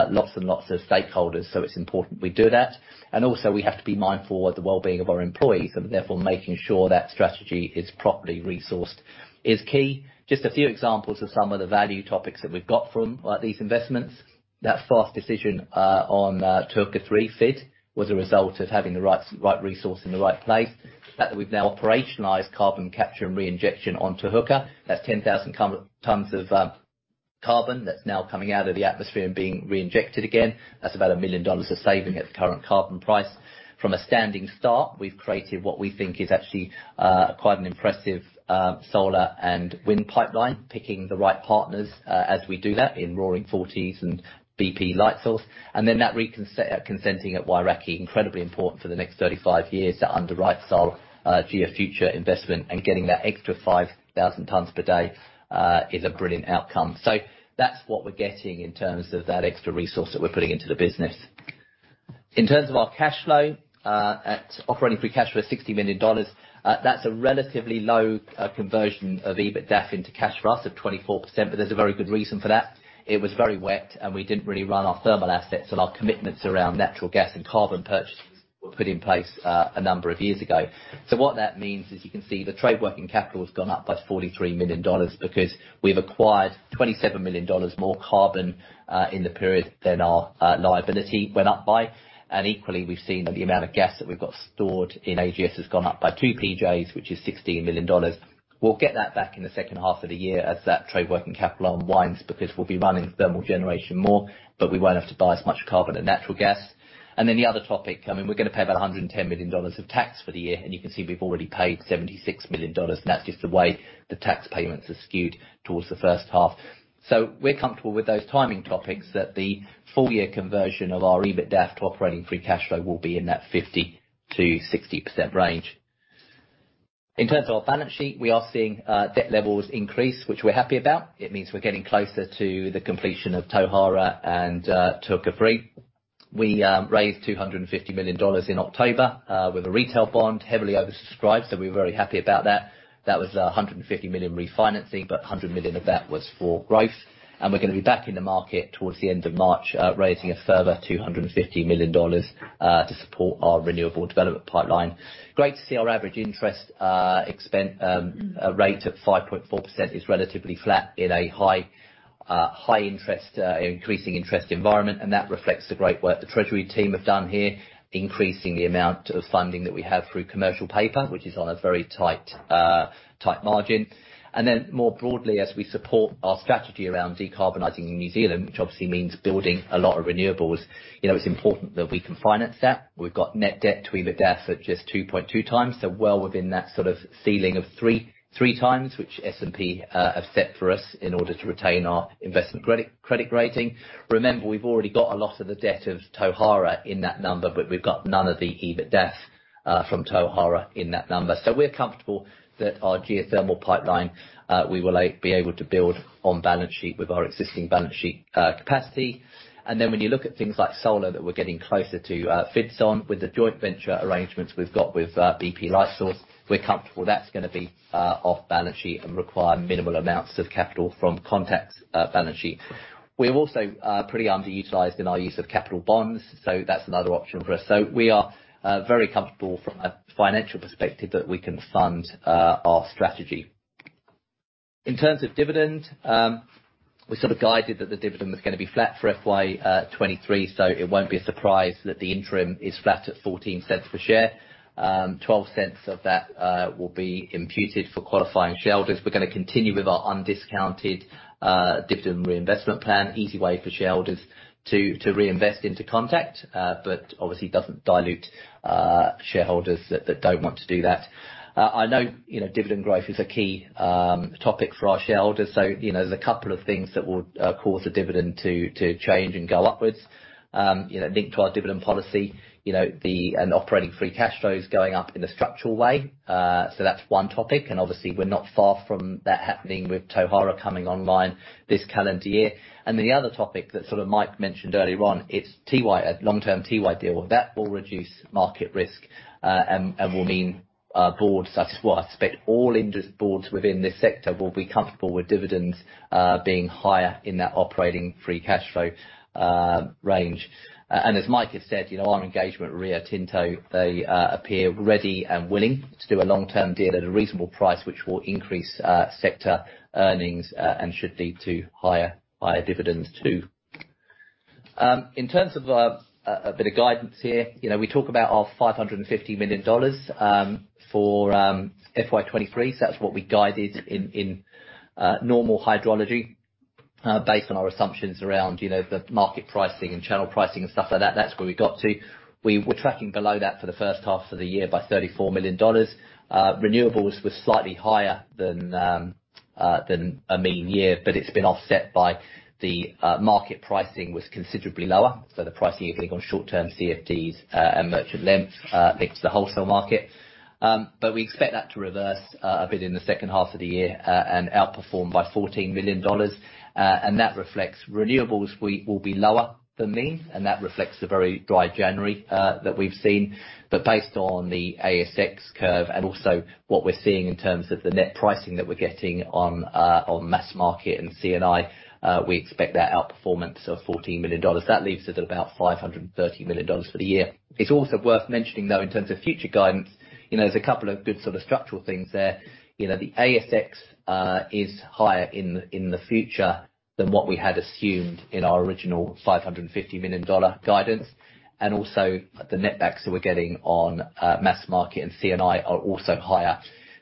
Speaker 3: lots and lots of stakeholders, so it's important we do that. Also, we have to be mindful of the well-being of our employees, and therefore, making sure that strategy is properly resourced is key. Just a few examples of some of the value topics that we've got from, like, these investments. That fast decision on Tukituki Three fit was a result of having the right resource in the right place. That we've now operationalized carbon capture and reinjection on Tukituki. That's 10,000 tons of carbon that's now coming out of the atmosphere and being reinjected again. That's about 1 million dollars of saving at the current carbon price. From a standing start, we've created what we think is actually quite an impressive solar and wind pipeline, picking the right partners as we do that in Roaring40s and Lightsource bp. That consenting at Wyraki, incredibly important for the next 35 years to underwrite Solgria future investment and getting that extra 5,000 tons per day is a brilliant outcome. That's what we're getting in terms of that extra resource that we're putting into the business. In terms of our cash flow, at operating free cash flow, 60 million dollars. That's a relatively low conversion of EBITDAF into cash for us of 24%, there's a very good reason for that. It was very wet. We didn't really run our thermal assets and our commitments around natural gas and carbon purchases were put in place a number of years ago. What that means is you can see the trade working capital has gone up by 43 million dollars because we've acquired 27 million dollars more carbon in the period than our liability went up by. Equally, we've seen that the amount of gas that we've got stored in AGS has gone up by 2 PJs, which is 60 million dollars. We'll get that back in the second half of the year as that trade working capital unwinds because we'll be running thermal generation more, but we won't have to buy as much carbon and natural gas. The other topic, I mean, we're gonna pay about 110 million dollars of tax for the year, and you can see we've already paid 76 million dollars. That's just the way the tax payments are skewed towards the first half. We're comfortable with those timing topics that the full year conversion of our EBITDAF to operating free cash flow will be in that 50%-60% range. In terms of our balance sheet, we are seeing debt levels increase, which we're happy about. It means we're getting closer to the completion of Tauhara and Tukituki Three. We raised 250 million dollars in October with a retail bond heavily oversubscribed, so we're very happy about that. That was 150 million refinancing, but 100 million of that was for growth. We're gonna be back in the market towards the end of March, raising a further 250 million dollars to support our renewable development pipeline. Great to see our average interest expend rate at 5.4% is relatively flat in a high, high interest increasing interest environment, and that reflects the great work the treasury team have done here, increasing the amount of funding that we have through commercial paper, which is on a very tight margin. More broadly, as we support our strategy around decarbonizing in New Zealand, which obviously means building a lot of renewables, you know, it's important that we can finance that. We've got net debt to EBITDAF at just 2.2 times, so well within that sort of ceiling of three times, which S&P have set for us in order to retain our investment credit rating. Remember, we've already got a lot of the debt of Tauhara in that number, but we've got none of the EBITDAF from Tauhara in that number. We're comfortable that our geothermal pipeline, we will be able to build on balance sheet with our existing balance sheet capacity. When you look at things like solar that we're getting closer to FID, with the joint venture arrangements we've got with Lightsource bp, we're comfortable that's gonna be off balance sheet and require minimal amounts of capital from Contact's balance sheet. We're also pretty underutilized in our use of capital bonds, so that's another option for us. We are very comfortable from a financial perspective that we can fund our strategy. In terms of dividend, we sort of guided that the dividend was gonna be flat for FY23. It won't be a surprise that the interim is flat at 0.14 per share. 0.12 of that will be imputed for qualifying shareholders. We're gonna continue with our undiscounted dividend reinvestment plan. Easy way for shareholders to reinvest into Contact, but obviously doesn't dilute shareholders that don't want to do that. I know, you know, dividend growth is a key topic for our shareholders. You know, there's a couple of things that will cause a dividend to change and go upwards. You know, linked to our dividend policy, you know, operating free cash flows going up in a structural way. That's one topic, obviously we're not far from that happening with Tauhara coming online this calendar year. The other topic that sort of Mike mentioned earlier on, it's TY long-term TY deal. That will reduce market risk, and will mean, boards, that's what I expect, all interest boards within this sector will be comfortable with dividends being higher in that operating free cash flow range. As Mike has said, you know, our engagement with Rio Tinto, they appear ready and willing to do a long-term deal at a reasonable price, which will increase sector earnings, and should lead to higher dividends too. In terms of a bit of guidance here, you know, we talk about our 550 million dollars for FY 2023. That's what we guided in normal hydrology, based on our assumptions around, you know, the market pricing and channel pricing and stuff like that. That's where we got to. We were tracking below that for the first half of the year by 34 million dollars. Renewables were slightly higher than a mean year, but it's been offset by the market pricing was considerably lower. The pricing on short-term CFDs and merchant length linked to the wholesale market. We expect that to reverse a bit in the second half of the year and outperform by 14 million dollars. And that reflects renewables will be lower than mean, and that reflects the very dry January, that we've seen. Based on the ASX curve and also what we're seeing in terms of the net pricing that we're getting on, mass market and CNI, we expect that outperformance of 14 million dollars. That leaves us at about 530 million dollars for the year. It's also worth mentioning, though, in terms of future guidance, you know, there's a couple of good sort of structural things there. You know, the ASX is higher in the future than what we had assumed in our original 550 million dollar guidance. Also the net backs that we're getting on, mass market and CNI are also higher.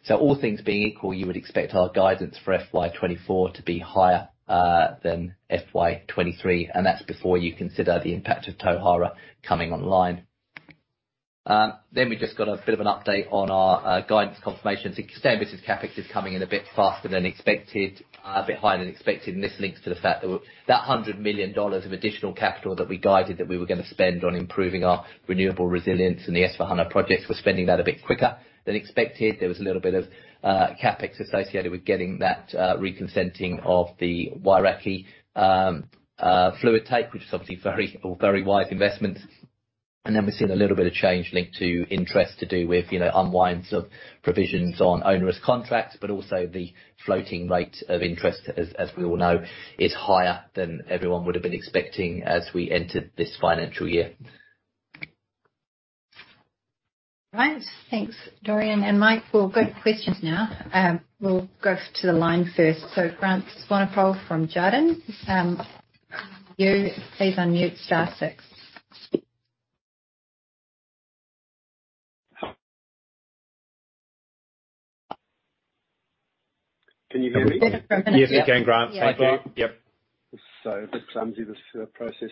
Speaker 3: All things being equal, you would expect our guidance for FY 2024 to be higher than FY 2023, and that's before you consider the impact of Tauhara coming online. We just got a bit of an update on our guidance confirmation. Extended CapEx is coming in a bit faster than expected, a bit higher than expected, and this links to the fact that that 100 million dollars of additional capital that we guided that we were gonna spend on improving our renewable resilience in the S/4HANA projects, we're spending that a bit quicker than expected. There was a little bit of CapEx associated with getting that reconsenting of the Wairakei fluid take, which is obviously very wise investment. we've seen a little bit of change linked to interest to do with, you know, unwinds of provisions on onerous contracts, but also the floating rate of interest, as we all know, is higher than everyone would have been expecting as we entered this financial year.
Speaker 1: Right. Thanks, Dorian. Mike, we'll go to questions now. We'll go to the line first. Grant Swanepoel from Jarden. You, please unmute star 6.
Speaker 4: Can you hear me?
Speaker 2: Yes, we can, Grant.
Speaker 3: Yeah.
Speaker 2: Yep.
Speaker 5: A bit clumsy, this process.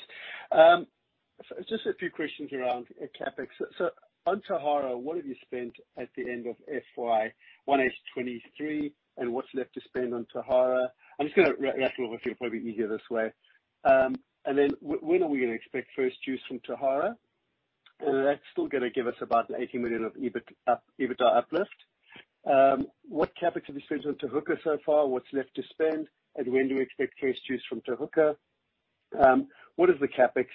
Speaker 5: Just a few questions around CapEx. On Tauhara, what have you spent at the end of FY 2023, and what's left to spend on Tauhara? I'm just gonna rap it all with you. It'll probably be easier this way. Then when are we gonna expect first use from Tauhara? That's still gonna give us about 80 million of EBITDA uplift. What CapEx have you spent on so far, what's left to spend, and when do we expect first use from Te Huka? What is the CapEx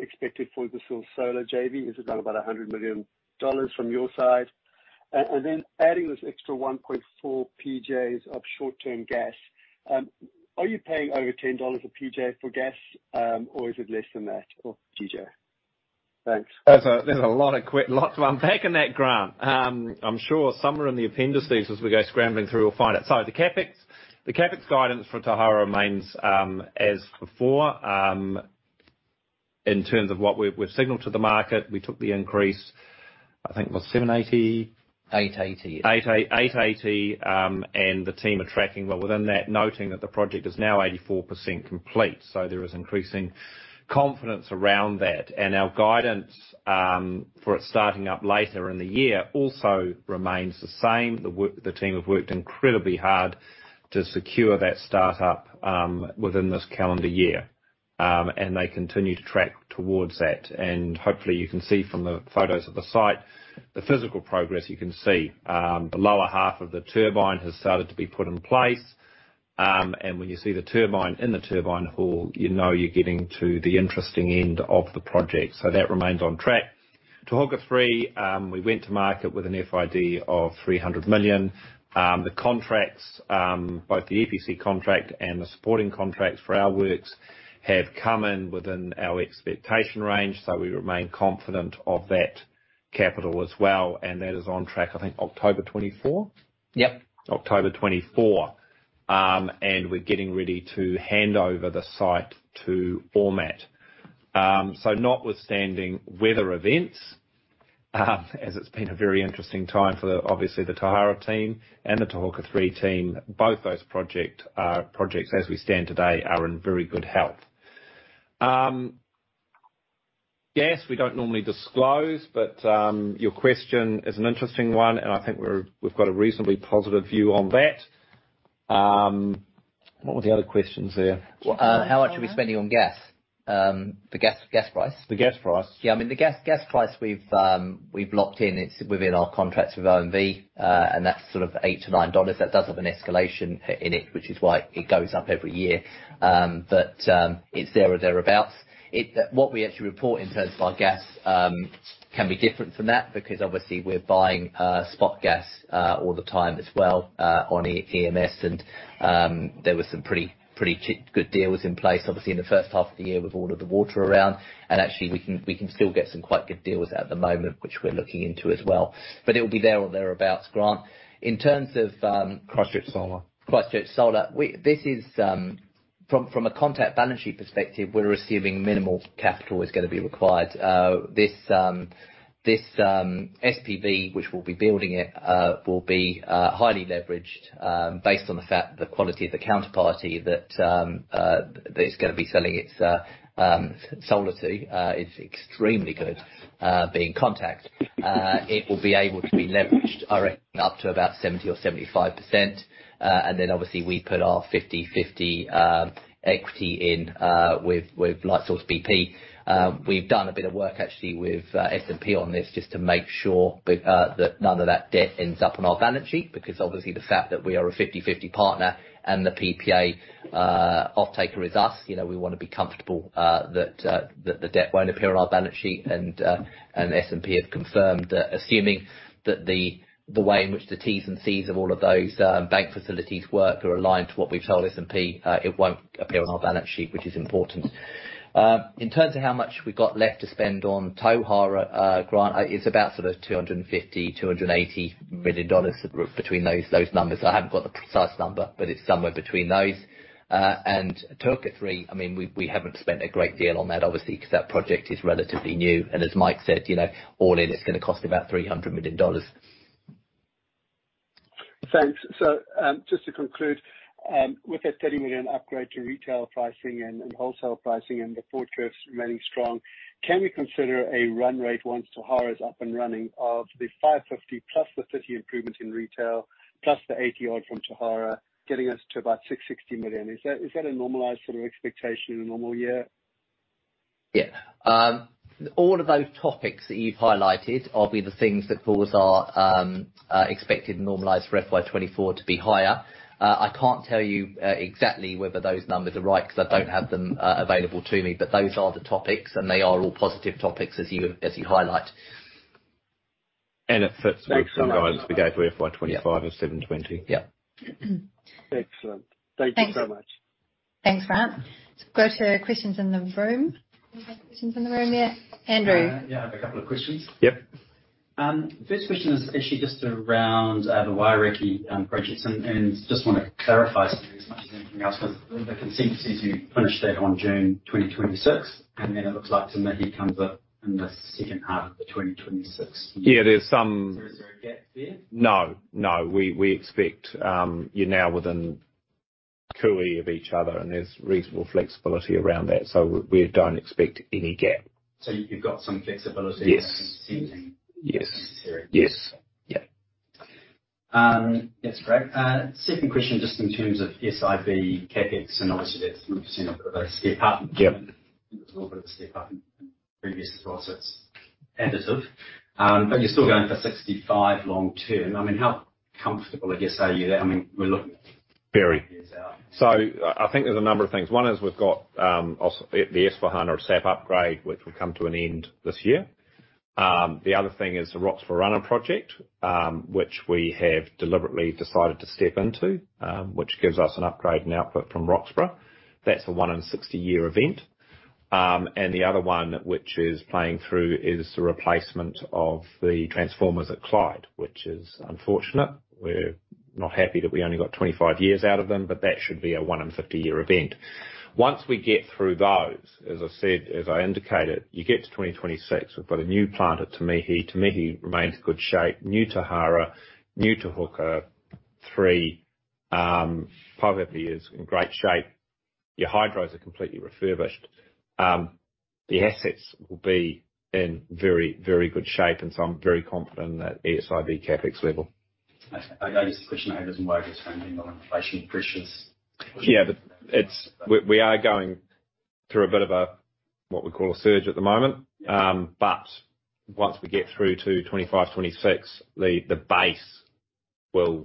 Speaker 5: expected for the solar JV? Is it now about 100 million dollars from your side? Then adding this extra 1.4 PJs of short-term gas, are you paying over 10 dollars a PJ for gas, or is it less than that for PJ? Thanks.
Speaker 2: There's a lot to unpack in that, Grant. I'm sure somewhere in the appendices as we go scrambling through, we'll find it. The CapEx guidance for Tauhara remains as before. In terms of what we've signaled to the market, we took the increase, I think it was 780.
Speaker 3: Eight-eighty.
Speaker 2: 880, the team are tracking well within that, noting that the project is now 84% complete. There is increasing confidence around that. Our guidance for it starting up later in the year also remains the same. The team have worked incredibly hard to secure that start-up within this calendar year. They continue to track towards that. Hopefully you can see from the photos of the site, the physical progress you can see. The lower half of the turbine has started to be put in place. When you see the turbine in the turbine hall, you know you're getting to the interesting end of the project. That remains on track. Te Huka 3, we went to market with an FID of 300 million. The contracts, both the EPC contract and the supporting contracts for our works have come in within our expectation range. We remain confident of that capital as well, and that is on track, I think October 2024?
Speaker 3: Yep.
Speaker 2: October 24. We're getting ready to hand over the site to Ormat. Notwithstanding weather events, as it's been a very interesting time for the, obviously the Tauhara team and the Te Huka 3 team. Both those projects as we stand today are in very good health. Gas, we don't normally disclose, your question is an interesting one, I think we're, we've got a reasonably positive view on that. What were the other questions there?
Speaker 3: How much are we spending on gas? The gas price.
Speaker 2: The gas price.
Speaker 3: I mean, the gas price we've locked in. It's within our contracts with OMV, and that's sort of 8-9 dollars. That does have an escalation in it, which is why it goes up every year. It's there or thereabouts. What we actually report in terms of our gas can be different from that because obviously we're buying spot gas all the time as well on emsTradepoint. There were some pretty cheap good deals in place, obviously in the first half of the year with all of the water around. Actually we can still get some quite good deals at the moment, which we're looking into as well. It'll be there or thereabouts, Grant. In terms of.
Speaker 2: Cross Street Solar.
Speaker 3: Cross Street Solar. This is from a Contact balance sheet perspective, we're assuming minimal capital is gonna be required. This SPV, which we'll be building it, will be highly leveraged based on the fact the quality of the counterparty that it's gonna be selling its solar to is extremely good, being Contact. It will be able to be leveraged, I reckon, up to about 70% or 75%. Obviously we put our 50/50 equity in with Lightsource bp. We've done a bit of work actually with S&P on this just to make sure we that none of that debt ends up on our balance sheet, because obviously the fact that we are a 50/50 partner and the PPA offtaker is us, you know, we wanna be comfortable that the debt won't appear on our balance sheet. S&P have confirmed that assuming that the way in which the T's and C's of all of those bank facilities work are aligned to what we've told S&P, it won't appear on our balance sheet, which is important. In terms of how much we've got left to spend on Tauhara, Grant, it's about sort of 250 million-280 million dollars between those numbers. I haven't got the precise number, but it's somewhere between those. Te Huka three, I mean, we haven't spent a great deal on that obviously, 'cause that project is relatively new. As Mike said, you know, all in, it's gonna cost about 300 million dollars.
Speaker 5: Thanks. Just to conclude, with that 30 million upgrade to retail pricing and wholesale pricing and the forecast remaining strong, can we consider a run rate once Tauhara is up and running of the 550 plus the 50 improvement in retail, plus the 80 odd from Tauhara, getting us to about 660 million? Is that a normalized sort of expectation in a normal year?
Speaker 3: All of those topics that you've highlighted are the things that cause our expected normalized for FY 2024 to be higher. I can't tell you exactly whether those numbers are right 'cause I don't have them available to me. Those are the topics, and they are all positive topics as you, as you highlight.
Speaker 2: It fits with some guidance we gave for FY 2025 of 720.
Speaker 3: Yeah.
Speaker 5: Excellent. Thank you so much.
Speaker 2: Thanks. Thanks, Grant. Let's go to questions in the room. Questions in the room. Yeah, Andrew.
Speaker 6: Yeah, I have a couple of questions.
Speaker 2: Yep.
Speaker 6: First question is actually just around the Wairakei projects. Just wanna clarify something as much as anything else, 'cause the consensus is you finish that on June 2026, then it looks like Te Mihi comes up in the second half of 2026.
Speaker 2: Yeah.
Speaker 6: Is there a gap there?
Speaker 2: No, no. We expect, you're now within cooee of each other and there's reasonable flexibility around that, so we don't expect any gap.
Speaker 6: You've got some flexibility.
Speaker 2: Yes.
Speaker 6: -consenting?
Speaker 2: Yes.
Speaker 6: If necessary.
Speaker 2: Yes. Yeah.
Speaker 6: That's great. Second question, just in terms of SIB capex, I know obviously that's represented a bit of a step up.
Speaker 2: Yeah.
Speaker 6: There's been a little bit of a step up in previous processes additive. You're still going for 65 long term. I mean, how comfortable, I guess, are you? I mean, we're looking.
Speaker 2: Very.
Speaker 6: years out.
Speaker 2: I think there's a number of things. One is we've got the S 400 SAP upgrade, which will come to an end this year. The other thing is the Roxburgh Runner project, which we have deliberately decided to step into, which gives us an upgrade in output from Roxburgh. That's a one in 60 year event. The other one which is playing through is the replacement of the transformers at Clyde, which is unfortunate. We're not happy that we only got 25 years out of them, but that should be a one in 50 year event. Once we get through those, as I said, as I indicated, you get to 2026, we've got a new plant at Te Mihi. Te Mihi remains in good shape, new Tauhara, new Te Huka 3, Pouakai is in great shape. Your hydros are completely refurbished. The assets will be in very, very good shape, and so I'm very confident in that ESIV CapEx level.
Speaker 6: I know this question how it doesn't work with timing on inflation pressures.
Speaker 2: Yeah, we are going through a bit of what we call a surge at the moment. Once we get through to 25, 26, the base will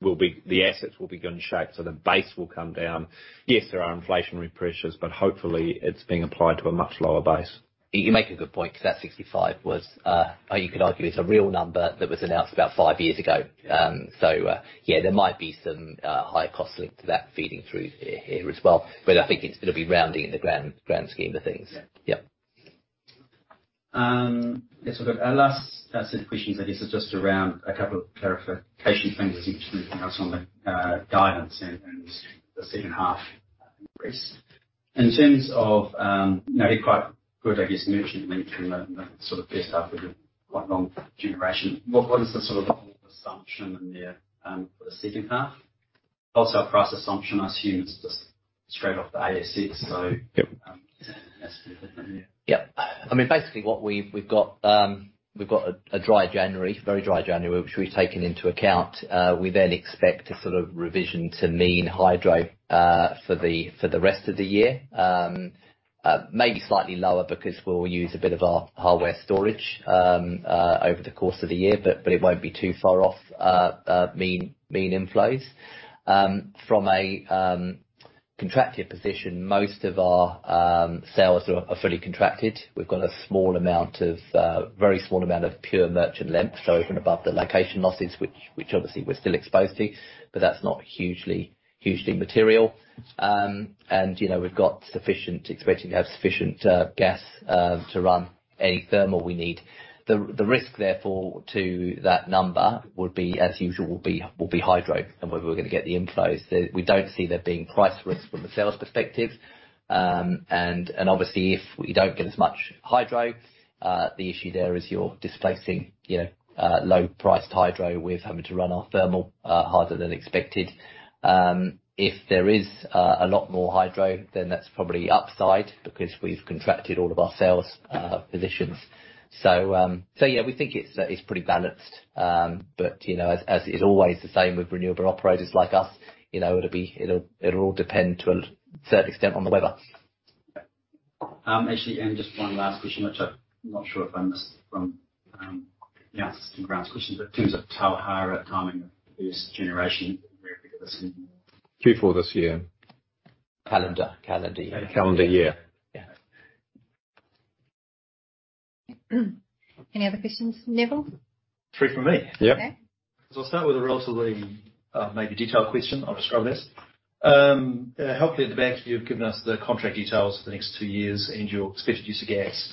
Speaker 2: be good shape, so the base will come down. Yes, there are inflationary pressures, hopefully it's being applied to a much lower base.
Speaker 3: You make a good point 'cause that 65 was, or you could argue it's a real number that was announced about five years ago. Yeah, there might be some higher costs linked to that feeding through here as well. I think it'll be rounding in the grand scheme of things.
Speaker 6: Yeah.
Speaker 3: Yeah.
Speaker 6: Yes, we've got our last set of questions. This is just around a couple of clarification things. Interesting on the guidance and the second half increase. In terms of, maybe quite good, I guess, merchant length in the sort of first half of the quite long generation. What is the sort of assumption in there for the second half? Also our price assumption, I assume, is just straight off the ASX.
Speaker 2: Yep.
Speaker 6: That's different, yeah.
Speaker 3: Basically what we've got a dry January, very dry January, which we've taken into account. We then expect a sort of revision to mean hydro for the rest of the year. Maybe slightly lower because we'll use a bit of our Ahuroa storage over the course of the year, but it won't be too far off mean inflows. From a contracted position, most of our sales are fully contracted. We've got a small amount of very small amount of pure merchant length, so over and above the location losses which obviously we're still exposed to, but that's not hugely material. You know, we've got expecting to have sufficient gas to run any thermal we need. The risk therefore to that number would be, as usual, will be hydro and whether we're gonna get the inflows. We don't see there being price risks from a sales perspective. Obviously, if we don't get as much hydro, the issue there is you're displacing, you know, low priced hydro with having to run our thermal harder than expected. If there is a lot more hydro, then that's probably upside because we've contracted all of our sales positions. Yeah, we think it's pretty balanced. You know, as is always the same with renewable operators like us, you know, it'll all depend to a certain extent on the weather.
Speaker 6: Actually, just one last question, which I'm not sure if I missed from some ground questions. In terms of Tauhara timing of this generation?
Speaker 2: Q4 this year.
Speaker 3: Calendar. Calendar year.
Speaker 2: Calendar year.
Speaker 3: Yeah.
Speaker 1: Any other questions, Neville?
Speaker 6: Three from me.
Speaker 2: Yeah.
Speaker 1: Okay.
Speaker 6: I'll start with a relatively, maybe detailed question. I'll just throw this. Hopefully at the back you've given us the contract details for the next two years and your expected use of gas.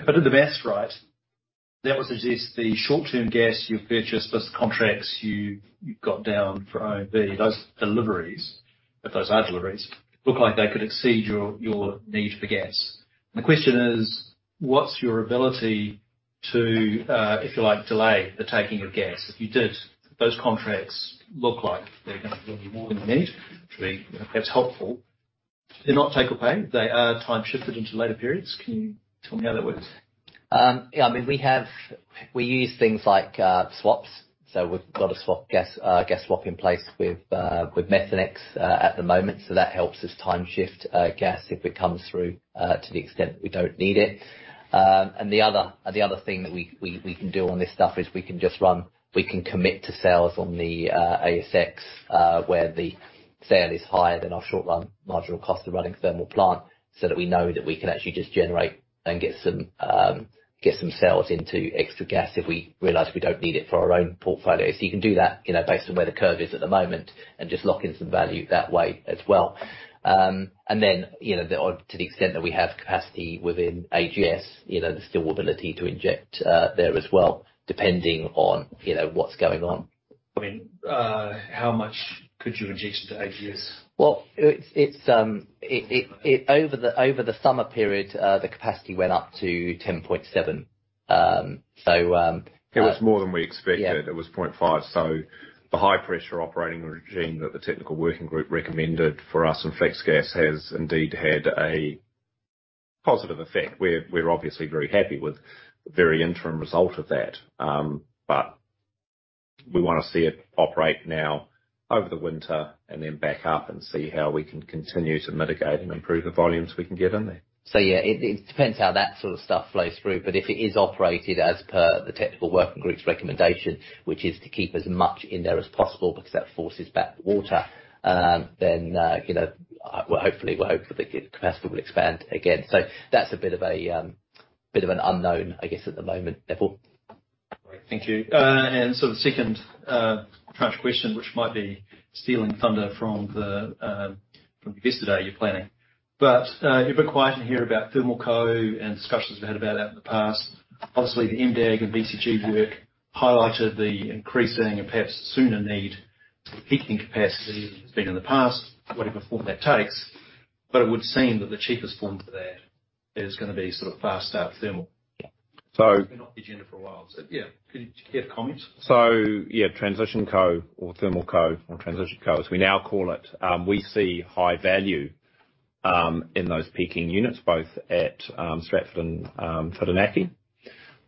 Speaker 6: If I did the math right, that would suggest the short-term gas you've purchased, plus the contracts you got down for OMV, those deliveries, if those are deliveries, look like they could exceed your need for gas. The question is: What's your ability to, if you like, delay the taking of gas? If you did, those contracts look like they're gonna give you more than you need. That's helpful. They're not take or pay. They are time shifted into later periods. Can you tell me how that works?
Speaker 3: I mean, we use things like swaps. We've got a swap gas, a gas swap in place with Methanex at the moment, so that helps us time shift gas if it comes through to the extent that we don't need it. The other thing that we can do on this stuff is we can commit to sales on the ASX where the sale is higher than our short-run marginal cost of running thermal plant, so that we know that we can actually just generate and get some sales into extra gas if we realize we don't need it for our own portfolio. You can do that, you know, based on where the curve is at the moment, and just lock in some value that way as well. You know, to the extent that we have capacity within AGS, you know, there still ability to inject there as well, depending on, you know, what's going on.
Speaker 6: I mean, how much could you inject into AGS?
Speaker 3: It's, it... Over the summer period, the capacity went up to 10.7.
Speaker 2: It was more than we expected.
Speaker 3: Yeah.
Speaker 2: It was 0.5. The high pressure operating regime that the technical working group recommended for us and Flexgas has indeed had a positive effect. We're obviously very happy with very interim result of that. We want to see it operate now over the winter and then back up and see how we can continue to mitigate and improve the volumes we can get in there.
Speaker 3: Yeah, it depends how that sort of stuff flows through. If it is operated as per the technical working group's recommendation, which is to keep as much in there as possible because that forces back the water, then, you know, well, hopefully, we're hopeful the capacity will expand again. That's a bit of a, bit of an unknown, I guess, at the moment, Neville.
Speaker 6: Great. Thank you. The second crunch question, which might be stealing thunder from the investor day you're planning. You've been quiet in here about Thermal Co and discussions we've had about out in the past. Obviously, the MDAG and BCG work highlighted the increasing and perhaps sooner need for peaking capacity than has been in the past, whatever form that takes. It would seem that the cheapest form for that is gonna be sort of fast start thermal.
Speaker 2: So-
Speaker 6: It's been off the agenda for a while. yeah. Could you give comments?
Speaker 2: Yeah, Thermal Co, as we now call it, we see high value in those peaking units, both at Stratford and Whirinaki.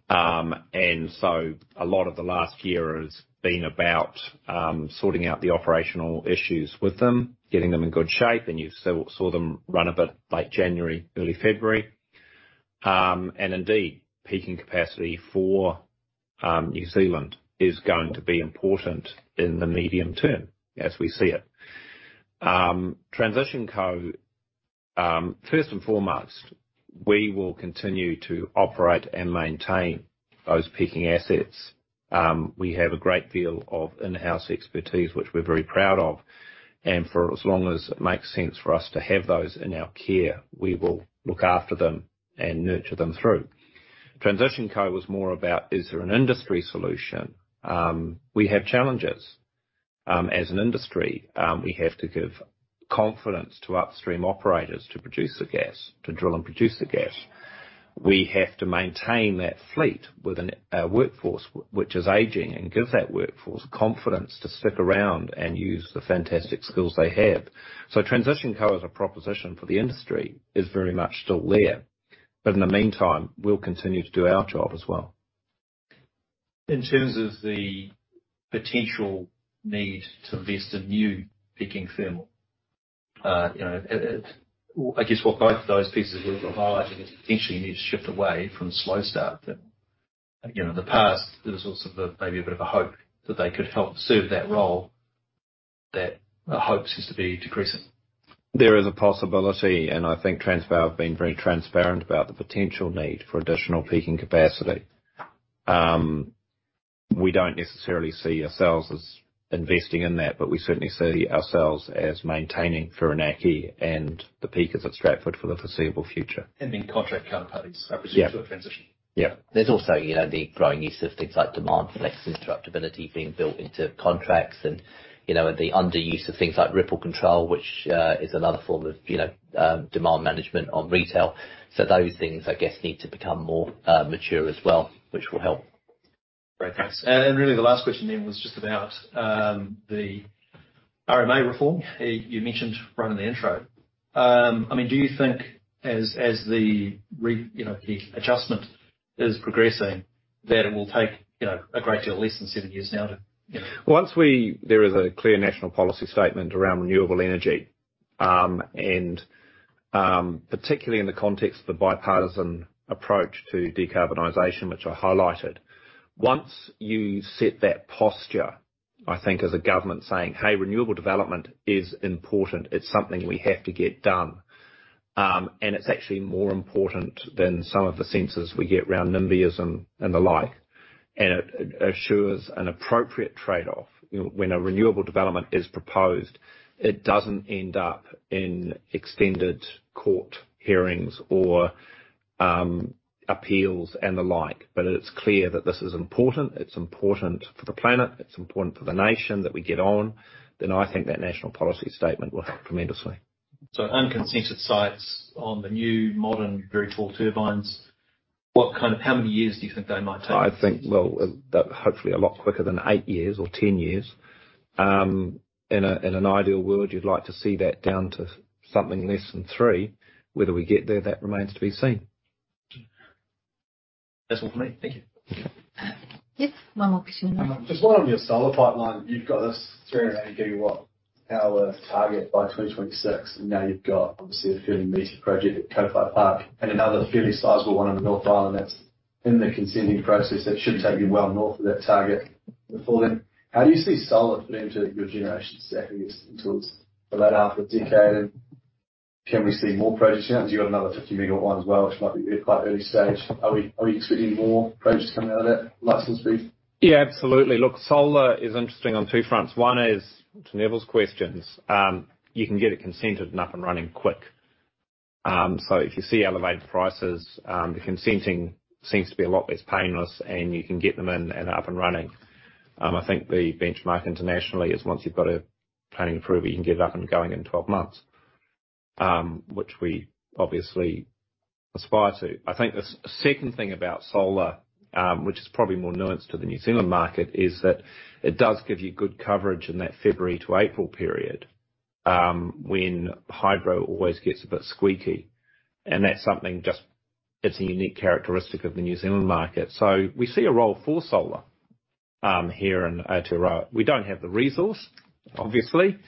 Speaker 2: A lot of the last year has been about sorting out the operational issues with them, getting them in good shape, and you saw them run a bit late January, early February. Indeed, peaking capacity for New Zealand is going to be important in the medium term as we see it. Thermal Co, first and foremost, we will continue to operate and maintain those peaking assets. We have a great deal of in-house expertise, which we're very proud of, and for as long as it makes sense for us to have those in our care, we will look after them and nurture them through. Thermal Co was more about, is there an industry solution? We have challenges. As an industry, we have to give confidence to upstream operators to produce the gas, to drill and produce the gas. We have to maintain that fleet with a workforce which is aging and give that workforce confidence to stick around and use the fantastic skills they have. Thermal Co as a proposition for the industry is very much still there. In the meantime, we'll continue to do our job as well.
Speaker 6: In terms of the potential need to invest in new peaking thermal, you know, I guess what both of those pieces really provide, I think you potentially need to shift away from slow start that, you know, in the past, there was sort of a, maybe a bit of a hope that they could help serve that role. That hope seems to be decreasing.
Speaker 2: There is a possibility, and I think Transpower have been very transparent about the potential need for additional peaking capacity. We don't necessarily see ourselves as investing in that, but we certainly see ourselves as maintaining Whirinaki and the peakers at Stratford for the foreseeable future.
Speaker 6: Being contract counterparties.
Speaker 2: Yeah.
Speaker 6: -represented to a transition.
Speaker 2: Yeah.
Speaker 3: There's also, you know, the growing use of things like demand flex interruptibility being built into contracts and, you know, the underuse of things like ripple control, which is another form of, you know, demand management on retail. Those things, I guess, need to become more mature as well, which will help.
Speaker 6: Great. Thanks. Really the last question then was just about, the RMA reform you mentioned right in the intro. I mean, do you think as the, you know, the adjustment is progressing, that it will take, you know, a great deal less than seven years now to, you know?
Speaker 2: There is a clear national policy statement around renewable energy, and particularly in the context of the bipartisan approach to decarbonization, which I highlighted. Once you set that posture, I think as a government saying, "Hey, renewable development is important, it's something we have to get done," and it's actually more important than some of the senses we get around nimbyism and the like. It assures an appropriate trade-off. You know, when a renewable development is proposed, it doesn't end up in extended court hearings or appeals and the like. It's clear that this is important. It's important for the planet, it's important for the nation that we get on. I think that national policy statement will help tremendously.
Speaker 6: Unconsented sites on the new modern very tall turbines, how many years do you think they might take?
Speaker 2: I think well, hopefully a lot quicker than eight years or 10 years. In an ideal world, you'd like to see that down to something less than 3. Whether we get there, that remains to be seen.
Speaker 6: That's all for me. Thank you.
Speaker 1: Yes. One more question.
Speaker 6: Just one on your solar pipeline. You've got this 380 gigawatt hour target by 2026, now you've got obviously a fairly meaty project at Kopeka Park and another fairly sizable one in the North Island that's in the consenting process that should take you well north of that target before then. How do you see solar fit into your generation stack, I guess, towards the latter half of the decade? Can we see more projects now? Because you got another 50 megawatt one as well, which might be quite early stage. Are we expecting more projects coming out of that pipeline speed?
Speaker 2: Yeah, absolutely. Look, solar is interesting on two fronts. One is to Neville's questions. You can get it consented and up and running quick. So if you see elevated prices, the consenting seems to be a lot less painless, and you can get them in and up and running. I think the second thing about solar, which is probably more nuanced to the New Zealand market, is that it does give you good coverage in that February to April period, when hydro always gets a bit squeaky. That's something just... It's a unique characteristic of the New Zealand market. So we see a role for solar, here in Aotearoa. We don't have the resource, obviously.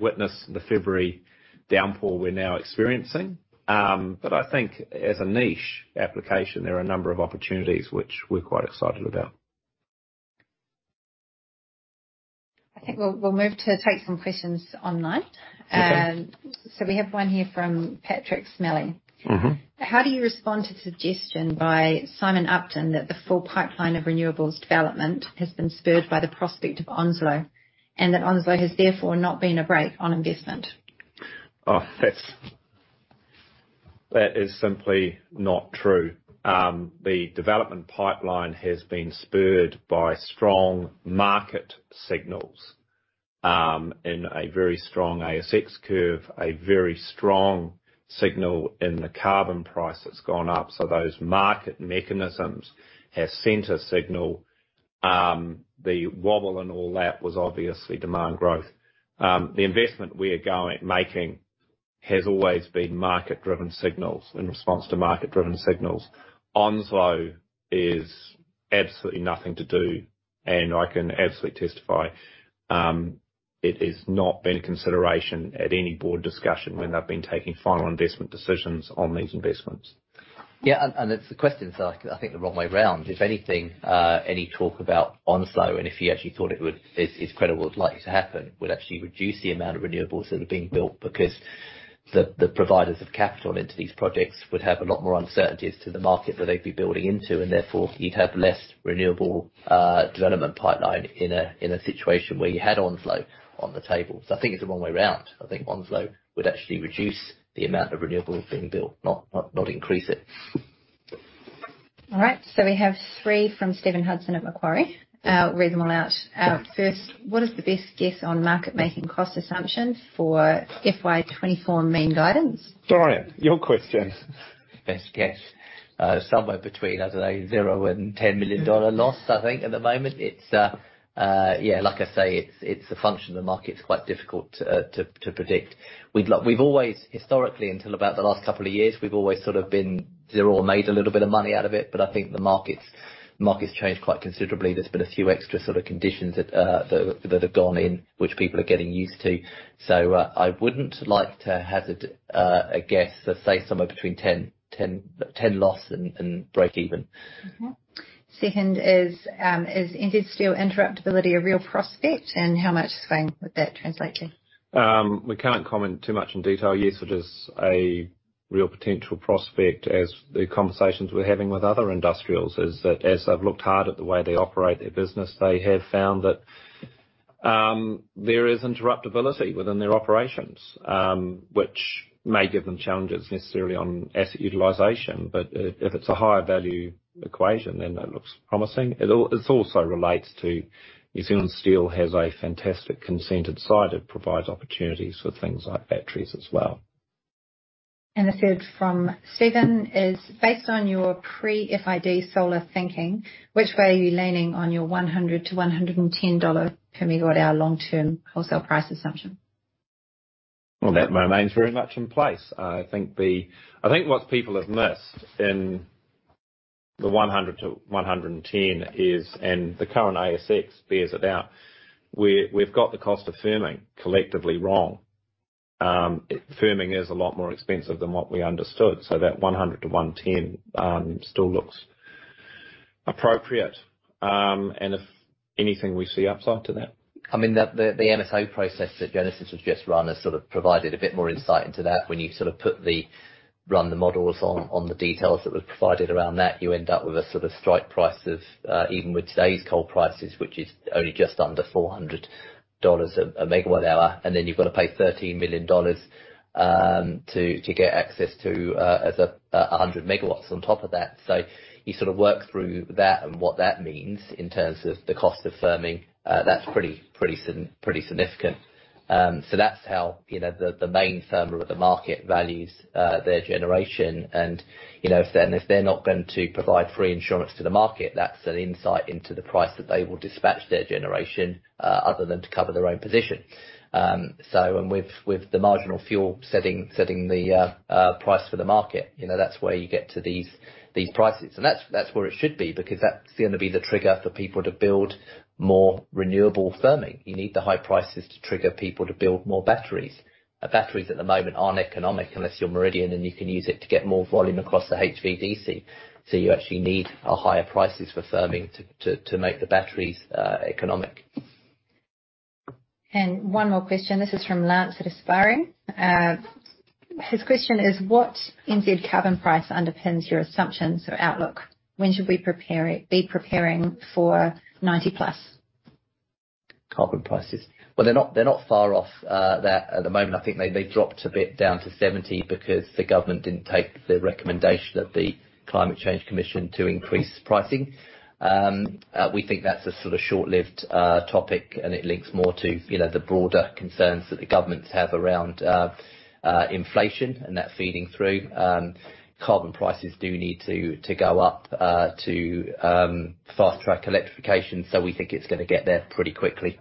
Speaker 2: Witness the February downpour we're now experiencing. I think as a niche application, there are a number of opportunities which we're quite excited about.
Speaker 1: I think we'll move to take some questions online.
Speaker 2: Okay.
Speaker 1: We have one here from Pattrick Smellie.
Speaker 2: Mm-hmm.
Speaker 1: How do you respond to suggestion by Simon Upton that the full pipeline of renewables development has been spurred by the prospect of Onslow, and that Onslow has therefore not been a break on investment?
Speaker 2: That is simply not true. The development pipeline has been spurred by strong market signals. In a very strong ASX curve, a very strong signal in the carbon price that's gone up. Those market mechanisms have sent a signal. The wobble and all that was obviously demand growth. The investment we are making has always been market-driven signals in response to market-driven signals. Onslow is absolutely nothing to do, and I can absolutely testify, it has not been a consideration at any board discussion when they've been taking final investment decisions on these investments.
Speaker 3: Yeah, it's the question is like, I think the wrong way around. If anything, any talk about Onslow and if you actually thought is credible, it's likely to happen, would actually reduce the amount of renewables that are being built because the providers of capital into these projects would have a lot more uncertainties to the market that they'd be building into, and therefore you'd have less renewable development pipeline in a, in a situation where you had Onslow on the table. I think it's the wrong way around. I think Onslow would actually reduce the amount of renewables being built, not increase it.
Speaker 1: All right. We have three from Stephen Hudson at Macquarie. I'll read them all out. First, what is the best guess on market-making cost assumptions for FY 2024 mean guidance?
Speaker 2: Dorian, your question.
Speaker 3: Best guess. somewhere between, I don't know, 0 and 10 million dollar loss, I think at the moment. It's, yeah, like I say, it's a function of the market. It's quite difficult to, to predict. We've always historically until about the last couple of years, we've always sort of been 0 or made a little bit of money out of it. I think the market's changed quite considerably. There's been a few extra sort of conditions that, that have gone in which people are getting used to. I wouldn't like to hazard a guess. I'd say somewhere between 10 loss and breakeven.
Speaker 1: Second is industrial interruptibility a real prospect? How much swing would that translate to?
Speaker 2: We can't comment too much in detail. Yes, it is a real potential prospect as the conversations we're having with other industrials is that as they've looked hard at the way they operate their business, they have found that there is interruptibility within their operations, which may give them challenges necessarily on asset utilization. If it's a higher value equation, then that looks promising. This also relates to New Zealand Steel has a fantastic consented site that provides opportunities for things like batteries as well.
Speaker 1: The third from Stephen is, based on your pre-FID solar thinking, which way are you leaning on your 100-110 dollars per megawatt hour long-term wholesale price assumption?
Speaker 2: That remains very much in place. I think what people have missed in the 100-110 is, and the current ASX bears it out, we've got the cost of firming collectively wrong. Firming is a lot more expensive than what we understood. That 100-110 still looks appropriate. If anything, we see upside to that.
Speaker 3: I mean, the MSO process that Genesis Energy has just run has sort of provided a bit more insight into that. When you sort of run the models on the details that were provided around that, you end up with a sort of strike price of even with today's coal prices, which is only just under 400 dollars a megawatt hour, and then you've got to pay 13 million dollars to get access to 100 megawatts on top of that. You sort of work through that and what that means in terms of the cost of firming. That's pretty significant. That's how, you know, the main firmer of the market values their generation and, you know, if they're, if they're not going to provide free insurance to the market, that's an insight into the price that they will dispatch their generation other than to cover their own position. And with the marginal fuel setting the price for the market, you know, that's where you get to these prices. That's, that's where it should be, because that's gonna be the trigger for people to build more renewable firming. You need the high prices to trigger people to build more batteries. Batteries at the moment aren't economic unless you're Meridian, and you can use it to get more volume across the HVDC. You actually need a higher prices for firming to make the batteries economic.
Speaker 1: One more question. This is from Lance at Aspiring. His question is, what NZ carbon price underpins your assumptions or outlook? When should we be preparing for 90+?
Speaker 3: Carbon prices. They're not far off that at the moment. I think they dropped a bit down to 70 because the government didn't take the recommendation that the Climate Change Commission to increase pricing. We think that's a sort of short-lived topic, and it links more to, you know, the broader concerns that the governments have around inflation and that feeding through. Carbon prices do need to go up to fast-track electrification. We think it's gonna get there pretty quickly.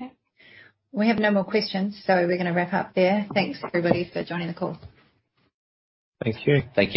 Speaker 1: Okay. We have no more questions. We're going to wrap up there. Thanks, everybody, for joining the call.
Speaker 2: Thank you.